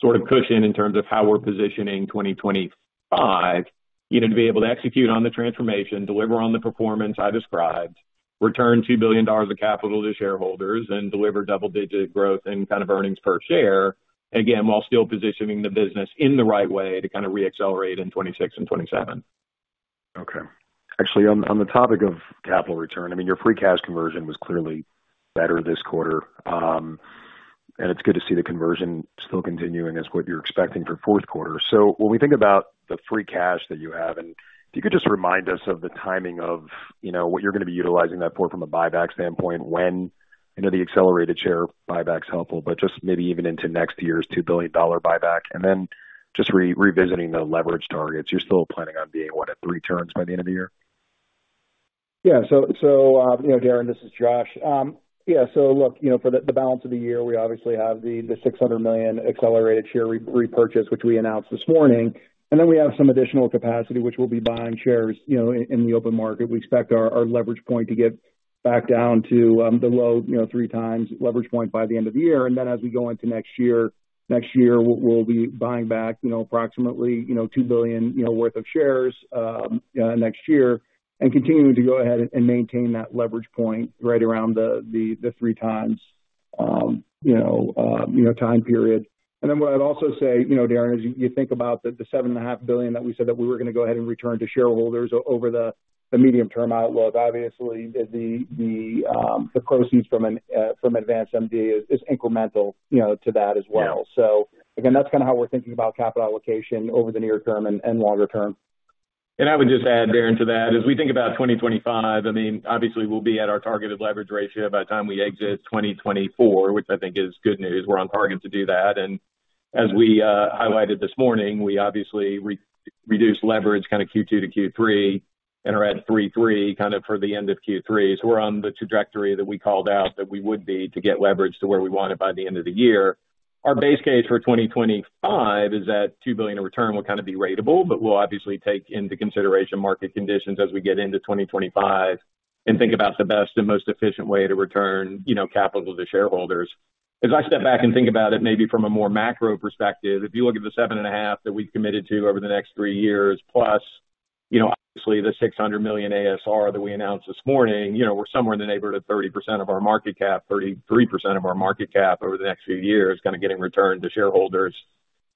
sort of cushion in terms of how we're positioning 2025 to be able to execute on the transformation, deliver on the performance I described, return $2 billion of capital to shareholders, and deliver double-digit growth in kind of earnings per share, again, while still positioning the business in the right way to kind of reaccelerate in 2026 and 2027. Okay. Actually, on the topic of capital return, I mean, your free cash conversion was clearly better this quarter, and it's good to see the conversion still continuing as what you're expecting for fourth quarter. So when we think about the free cash that you have, and if you could just remind us of the timing of what you're going to be utilizing that for from a buyback standpoint, when the accelerated share buyback's helpful, but just maybe even into next year's $2 billion buyback, and then just revisiting the leverage targets. You're still planning on being, what, at three turns by the end of the year? Yeah. So, Darren, this is Josh. Yeah. So look, for the balance of the year, we obviously have the $600 million accelerated share repurchase, which we announced this morning. And then we have some additional capacity, which we'll be buying shares in the open market. We expect our leverage point to get back down to the low three times leverage point by the end of the year. And then as we go into next year, next year, we'll be buying back approximately $2 billion worth of shares next year and continuing to go ahead and maintain that leverage point right around the three times time period. And then what I'd also say, Darren, as you think about the $7.5 billion that we said that we were going to go ahead and return to shareholders over the medium-term outlook, obviously, the proceeds from AdvancedMD is incremental to that as well. So again, that's kind of how we're thinking about capital allocation over the near term and longerterm. And I would just add, Darren, to that, as we think about 2025, I mean, obviously, we'll be at our targeted leverage ratio by the time we exit 2024, which I think is good news. We're on target to do that. As we highlighted this morning, we obviously reduced leverage kind of Q2 to Q3 and are at 3.3 kind of for the end of Q3. We're on the trajectory that we called out that we would be to get leverage to where we want it by the end of the year. Our base case for 2025 is that $2 billion of return will kind of be ratable, but we'll obviously take into consideration market conditions as we get into 2025 and think about the best and most efficient way to return capital to shareholders. As I step back and think about it, maybe from a more macro perspective, if you look at the 7.5 that we've committed to over the next three years, plus obviously the $600 million ASR that we announced this morning, we're somewhere in the neighborhood of 30% of our market cap, 33% of our market cap over the next few years, kind of getting returned to shareholders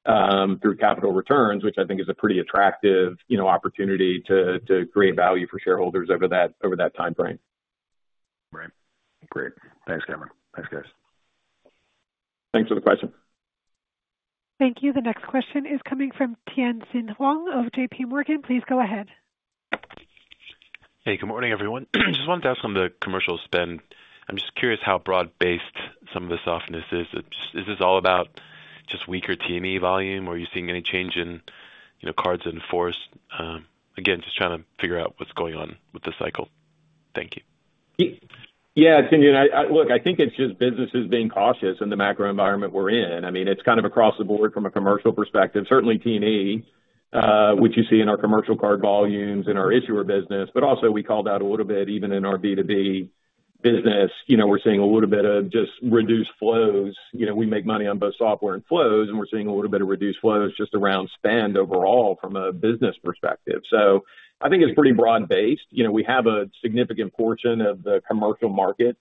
through capital returns, which I think is a pretty attractive opportunity to create value for shareholders over that timeframe. Right. Great. Thanks, Cameron. Thanks, guys. Thanks for the question. Thank you. The next question is coming from Tien-tsin Huang of JPMorgan. Please go ahead. Hey, good morning, everyone. I just wanted to ask on the commercial spend. I'm just curious how broad-based some of the softness is. Is this all about just weaker T&E volume? Are you seeing any change in cards in force? Again, just trying to figure out what's going on with the cycle. Thank you. Yeah. Look, I think it's just businesses being cautious in the macro environment we're in. I mean, it's kind of across the board from a commercial perspective. Certainly T&E, which you see in our commercial card volumes and our issuer business, but also we called out a little bit even in our B2B business, we're seeing a little bit of just reduced flows. We make money on both software and flows, and we're seeing a little bit of reduced flows just around spend overall from a business perspective. So I think it's pretty broad-based. We have a significant portion of the commercial market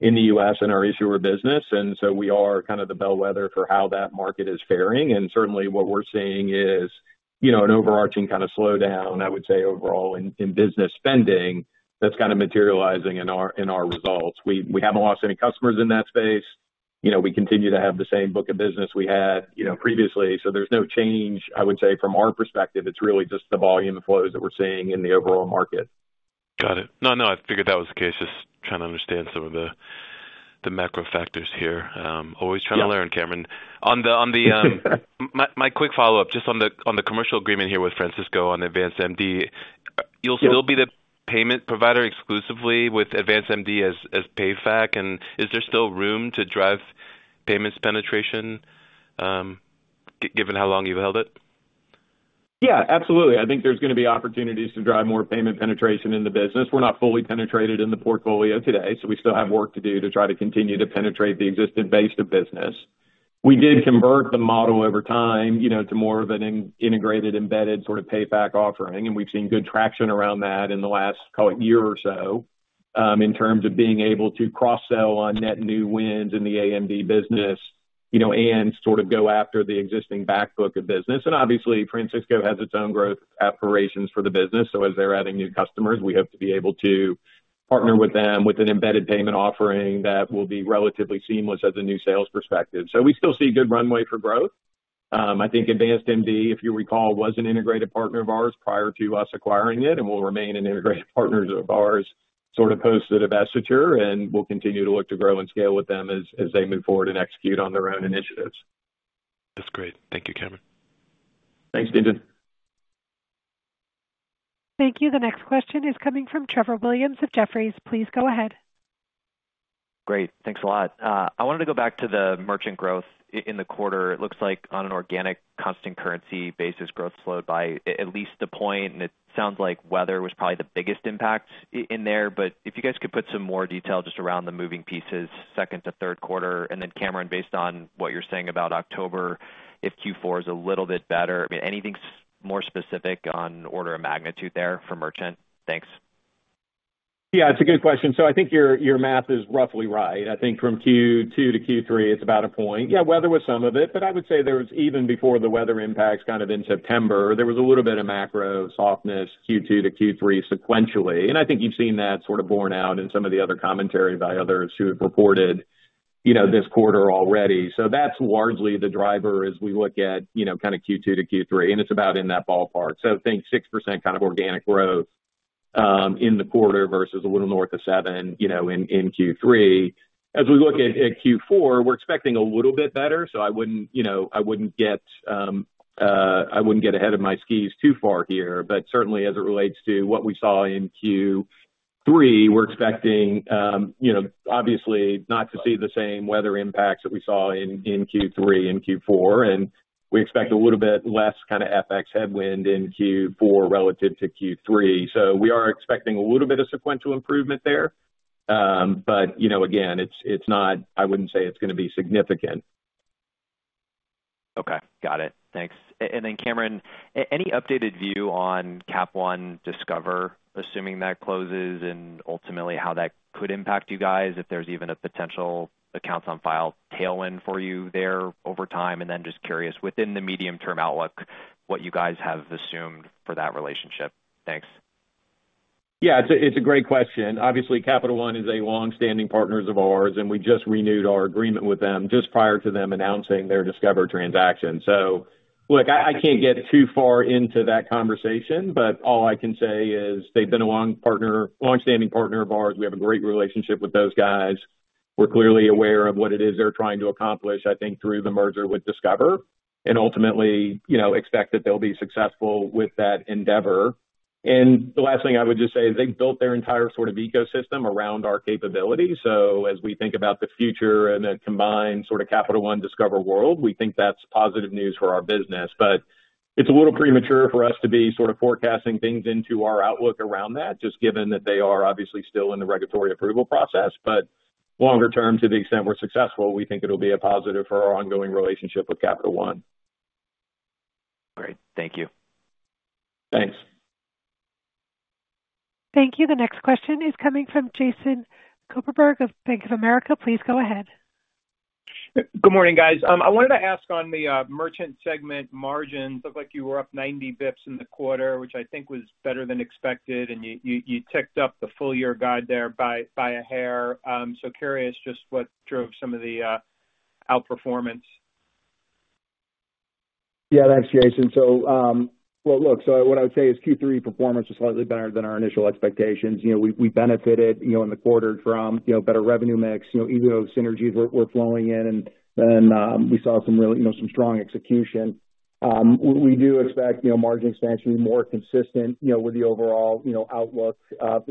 in the U.S. in our issuer business, and so we are kind of the bellwether for how that market is faring. Certainly what we're seeing is an overarching kind of slowdown, I would say, overall in business spending that's kind of materializing in our results. We haven't lost any customers in that space. We continue to have the same book of business we had previously. So there's no change, I would say, from our perspective. It's really just the volume of flows that we're seeing in the overall market. Got it. No, no. I figured that was the case. Just trying to understand some of the macro factors here. Always trying to learn, Cameron. My quick follow-up, just on the commercial agreement here with Francisco Partners on AdvancedMD, you'll still be the payment provider exclusively with AdvancedMD as PayFac? And is there still room to drive payments penetration given how long you've held it? Yeah, absolutely. I think there's going to be opportunities to drive more payment penetration in the business. We're not fully penetrated in the portfolio today, so we still have work to do to try to continue to penetrate the existing base of business. We did convert the model over time to more of an integrated embedded sort of PayFac offering, and we've seen good traction around that in the last, call it, year or so in terms of being able to cross-sell on net new wins in the AMD business and sort of go after the existing backbook of business. And obviously, Francisco has its own growth aspirations for the business. So as they're adding new customers, we hope to be able to partner with them with an embedded payment offering that will be relatively seamless as a new sales perspective. So we still see good runway for growth. I think AdvancedMD, if you recall, was an integrated partner of ours prior to us acquiring it and will remain an integrated partner of ours sort of post-divestiture, and we'll continue to look to grow and scale with them as they move forward and execute on their own initiatives. That's great. Thank you, Cameron. Thanks, Tien-Tsin. Thank you. The next question is coming from Trevor Williams of Jefferies. Please go ahead. Great. Thanks a lot. I wanted to go back to the merchant growth in the quarter. It looks like on an organic constant currency basis, growth slowed by at least a point. It sounds like weather was probably the biggest impact in there. But if you guys could put some more detail just around the moving pieces, second to third quarter, and then, Cameron, based on what you're saying about October, if Q4 is a little bit better, I mean, anything more specific on order of magnitude there for merchant? Thanks. Yeah, it's a good question. So I think your math is roughly right. I think from Q2 to Q3, it's about a point. Yeah, weather was some of it, but I would say there was even before the weather impacts kind of in September, there was a little bit of macro softness Q2 to Q3 sequentially. And I think you've seen that sort of borne out in some of the other commentary by others who have reported this quarter already. So that's largely the driver as we look at kind of Q2 to Q3, and it's about in that ballpark. So I think 6% kind of organic growth in the quarter versus a little north of 7% in Q3. As we look at Q4, we're expecting a little bit better. I wouldn't get ahead of my skis too far here. But certainly, as it relates to what we saw in Q3, we're expecting, obviously, not to see the same weather impacts that we saw in Q3 and Q4. And we expect a little bit less kind of FX headwind in Q4 relative to Q3. So we are expecting a little bit of sequential improvement there. But again, it's not I wouldn't say it's going to be significant. Okay. Got it. Thanks. And then, Cameron, any updated view on Capital One Discover, assuming that closes and ultimately how that could impact you guys, if there's even a potential accounts on file tailwind for you there over time? And then, just curious, within the medium-term outlook, what you guys have assumed for that relationship? Thanks. Yeah, it's a great question. Obviously, Capital One is a longstanding partner of ours, and we just renewed our agreement with them just prior to them announcing their Discover transaction. So look, I can't get too far into that conversation, but all I can say is they've been a longstanding partner of ours. We have a great relationship with those guys. We're clearly aware of what it is they're trying to accomplish, I think, through the merger with Discover, and ultimately expect that they'll be successful with that endeavor. And the last thing I would just say is they've built their entire sort of ecosystem around our capability. So as we think about the future and the combined sort of Capital One Discover world, we think that's positive news for our business. But it's a little premature for us to be sort of forecasting things into our outlook around that, just given that they are obviously still in the regulatory approval process. But longer term, to the extent we're successful, we think it'll be a positive for our ongoing relationship with Capital One. All right. Thank you. Thanks. Thank you. The next question is coming from Jason Kupferberg of Bank of America. Please go ahead. Good morning, guys. I wanted to ask on the merchant segment margins. Looked like you were up 90 basis points in the quarter, which I think was better than expected. And you ticked up the full year guide there by a hair. So curious just what drove some of the outperformance. Yeah, thanks, Jason. So well, look, so what I would say is Q3 performance was slightly better than our initial expectations. We benefited in the quarter from better revenue mix, even though synergies were flowing in, and we saw some strong execution. We do expect margin expansion to be more consistent with the overall outlook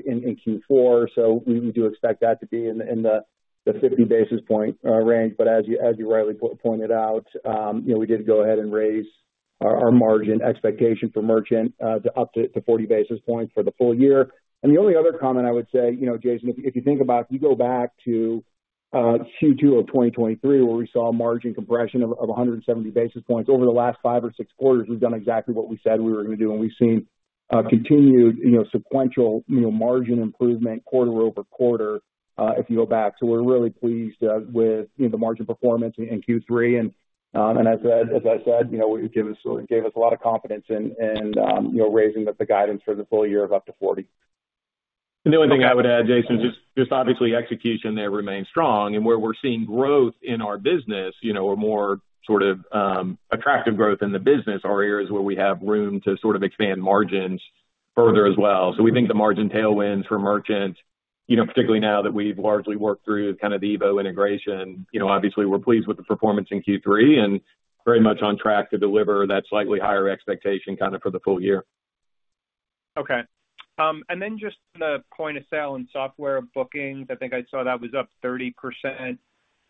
in Q4. So we do expect that to be in the 50 basis point range. But as you rightly pointed out, we did go ahead and raise our margin expectation for merchant to up to 40 basis points for the full year. And the only other comment I would say, Jason, if you think about if you go back to Q2 of 2023, where we saw margin compression of 170 basis points over the last five or six quarters, we've done exactly what we said we were going to do, and we've seen continued sequential margin improvement quarter over quarter if you go back. So we're really pleased with the margin performance in Q3. As I said, it gave us a lot of confidence in raising the guidance for the full year of up to 40. The only thing I would add, Jason, is just obviously execution there remains strong. And where we're seeing growth in our business or more sort of attractive growth in the business, are areas where we have room to sort of expand margins further as well. So we think the margin tailwinds for merchant, particularly now that we've largely worked through kind of the EVO integration, obviously, we're pleased with the performance in Q3 and very much on track to deliver that slightly higher expectation kind of for the full year. Okay. And then just the point of sale and software bookings, I think I saw that was up 30%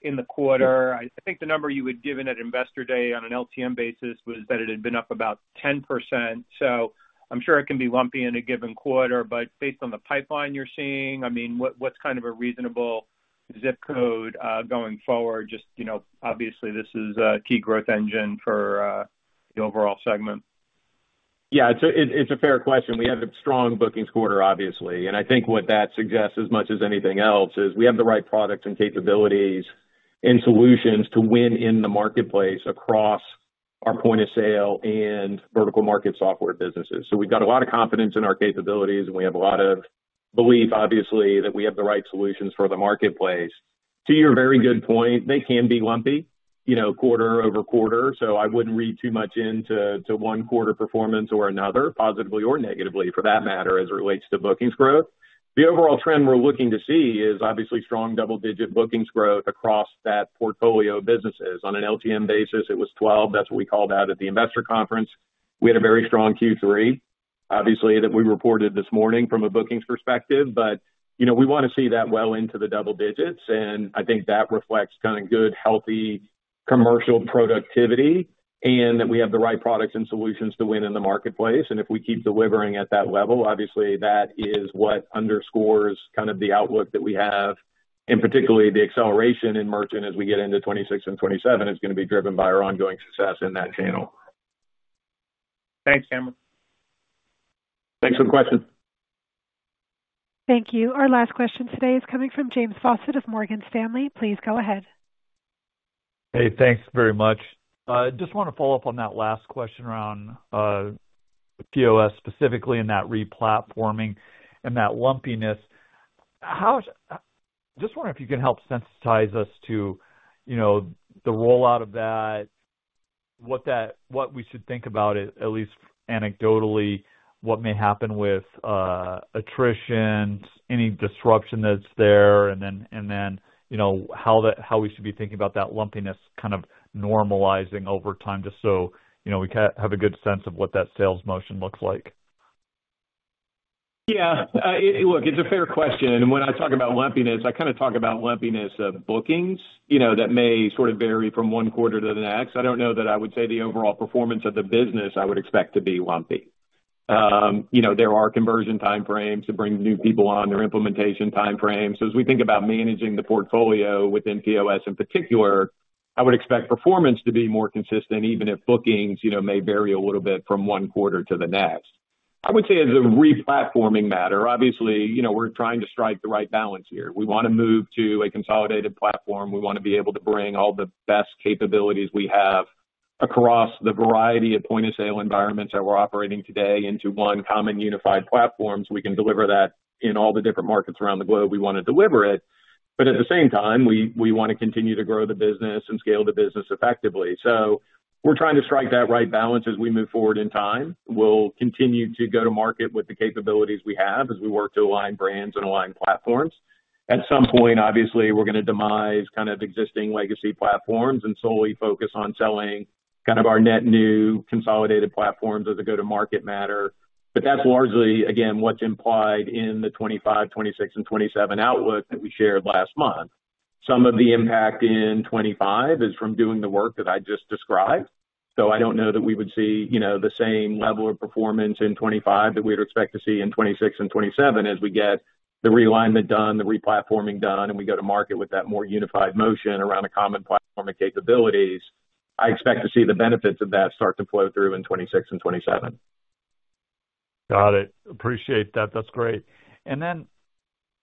in the quarter. I think the number you had given at Investor Day on an LTM basis was that it had been up about 10%. So I'm sure it can be lumpy in a given quarter, but based on the pipeline you're seeing, I mean, what's kind of a reasonable zip code going forward? Just obviously, this is a key growth engine for the overall segment. Yeah, it's a fair question. We have a strong bookings quarter, obviously. And I think what that suggests, as much as anything else, is we have the right products and capabilities and solutions to win in the marketplace across our point of sale and vertical market software businesses. So we've got a lot of confidence in our capabilities, and we have a lot of belief, obviously, that we have the right solutions for the marketplace. To your very good point, they can be lumpy quarter over quarter. So I wouldn't read too much into one quarter performance or another, positively or negatively for that matter, as it relates to bookings growth. The overall trend we're looking to see is obviously strong double-digit bookings growth across that portfolio of businesses. On an LTM basis, it was 12. That's what we called out at the investor conference. We had a very strong Q3, obviously, that we reported this morning from a bookings perspective, but we want to see that well into the double digits. And I think that reflects kind of good, healthy commercial productivity and that we have the right products and solutions to win in the marketplace. And if we keep delivering at that level, obviously, that is what underscores kind of the outlook that we have, and particularly the acceleration in merchant as we get into 2026 and 2027 is going to be driven by our ongoing success in that channel. Thanks, Cameron. Thanks for the question. Thank you. Our last question today is coming from James Faucette of Morgan Stanley. Please go ahead. Hey, thanks very much. Just want to follow up on that last question around POS, specifically in that replatforming and that lumpiness. Just wondering if you can help sensitize us to the rollout of that, what we should think about it, at least anecdotally, what may happen with attrition, any disruption that's there, and then how we should be thinking about that lumpiness kind of normalizing over time just so we have a good sense of what that sales motion looks like. Yeah. Look, it's a fair question. And when I talk about lumpiness, I kind of talk about lumpiness of bookings that may sort of vary from one quarter to the next. I don't know that I would say the overall performance of the business I would expect to be lumpy. There are conversion timeframes to bring new people on, their implementation timeframes. So as we think about managing the portfolio within POS in particular, I would expect performance to be more consistent, even if bookings may vary a little bit from one quarter to the next. I would say as a replatforming matter, obviously, we're trying to strike the right balance here. We want to move to a consolidated platform. We want to be able to bring all the best capabilities we have across the variety of point of sale environments that we're operating today into one common unified platform so we can deliver that in all the different markets around the globe we want to deliver it. But at the same time, we want to continue to grow the business and scale the business effectively. So we're trying to strike that right balance as we move forward in time. We'll continue to go to market with the capabilities we have as we work to align brands and align platforms. At some point, obviously, we're going to demise kind of existing legacy platforms and solely focus on selling kind of our net new consolidated platforms as a go-to-market matter. But that's largely, again, what's implied in the 2025, 2026, and 2027 outlook that we shared last month. Some of the impact in 2025 is from doing the work that I just described. So I don't know that we would see the same level of performance in 2025 that we would expect to see in 2026 and 2027 as we get the realignment done, the replatforming done, and we go to market with that more unified motion around a common platform and capabilities. I expect to see the benefits of that start to flow through in 2026 and 2027. Got it. Appreciate that. That's great. And then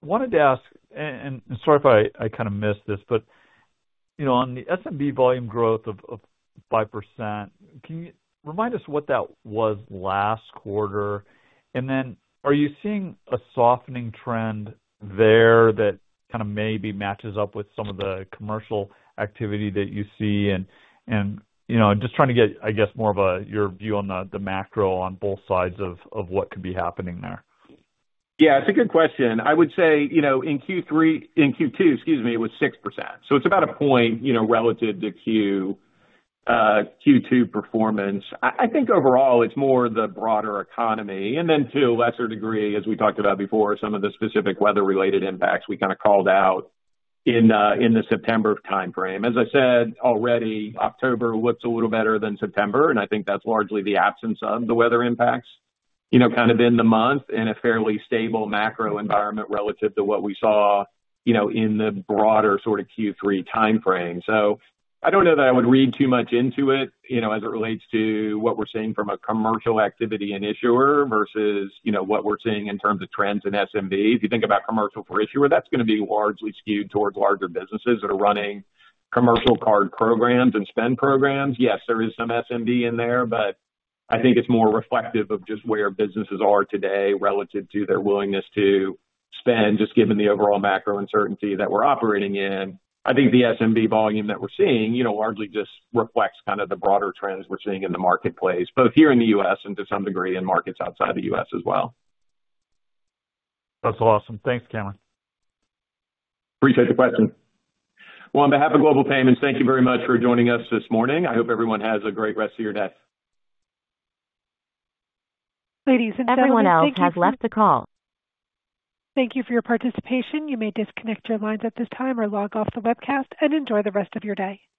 wanted to ask, and sorry if I kind of missed this, but on the SMB volume growth of 5%, can you remind us what that was last quarter? And then are you seeing a softening trend there that kind of maybe matches up with some of the commercial activity that you see? Just trying to get, I guess, more of your view on the macro on both sides of what could be happening there. Yeah, it's a good question. I would say in Q2, excuse me, it was 6%. So it's about a point relative to Q2 performance. I think overall, it's more the broader economy. And then to a lesser degree, as we talked about before, some of the specific weather-related impacts we kind of called out in the September timeframe. As I said already, October looks a little better than September, and I think that's largely the absence of the weather impacts kind of in the month and a fairly stable macro environment relative to what we saw in the broader sort of Q3 timeframe. So I don't know that I would read too much into it as it relates to what we're seeing from a commercial activity and issuer versus what we're seeing in terms of trends in SMB. If you think about commercial for issuer, that's going to be largely skewed towards larger businesses that are running commercial card programs and spend programs. Yes, there is some SMB in there, but I think it's more reflective of just where businesses are today relative to their willingness to spend, just given the overall macro uncertainty that we're operating in. I think the SMB volume that we're seeing largely just reflects kind of the broader trends we're seeing in the marketplace, both here in the U.S. and to some degree in markets outside the U.S. as well. That's awesome. Thanks, Cameron. Appreciate the question. On behalf of Global Payments, thank you very much for joining us this morning. I hope everyone has a great rest of your day. Ladies and gentlemen, everyone else has left the call. Thank you for your participation. You may disconnect your lines at this time or log off the webcast and enjoy the rest of your day.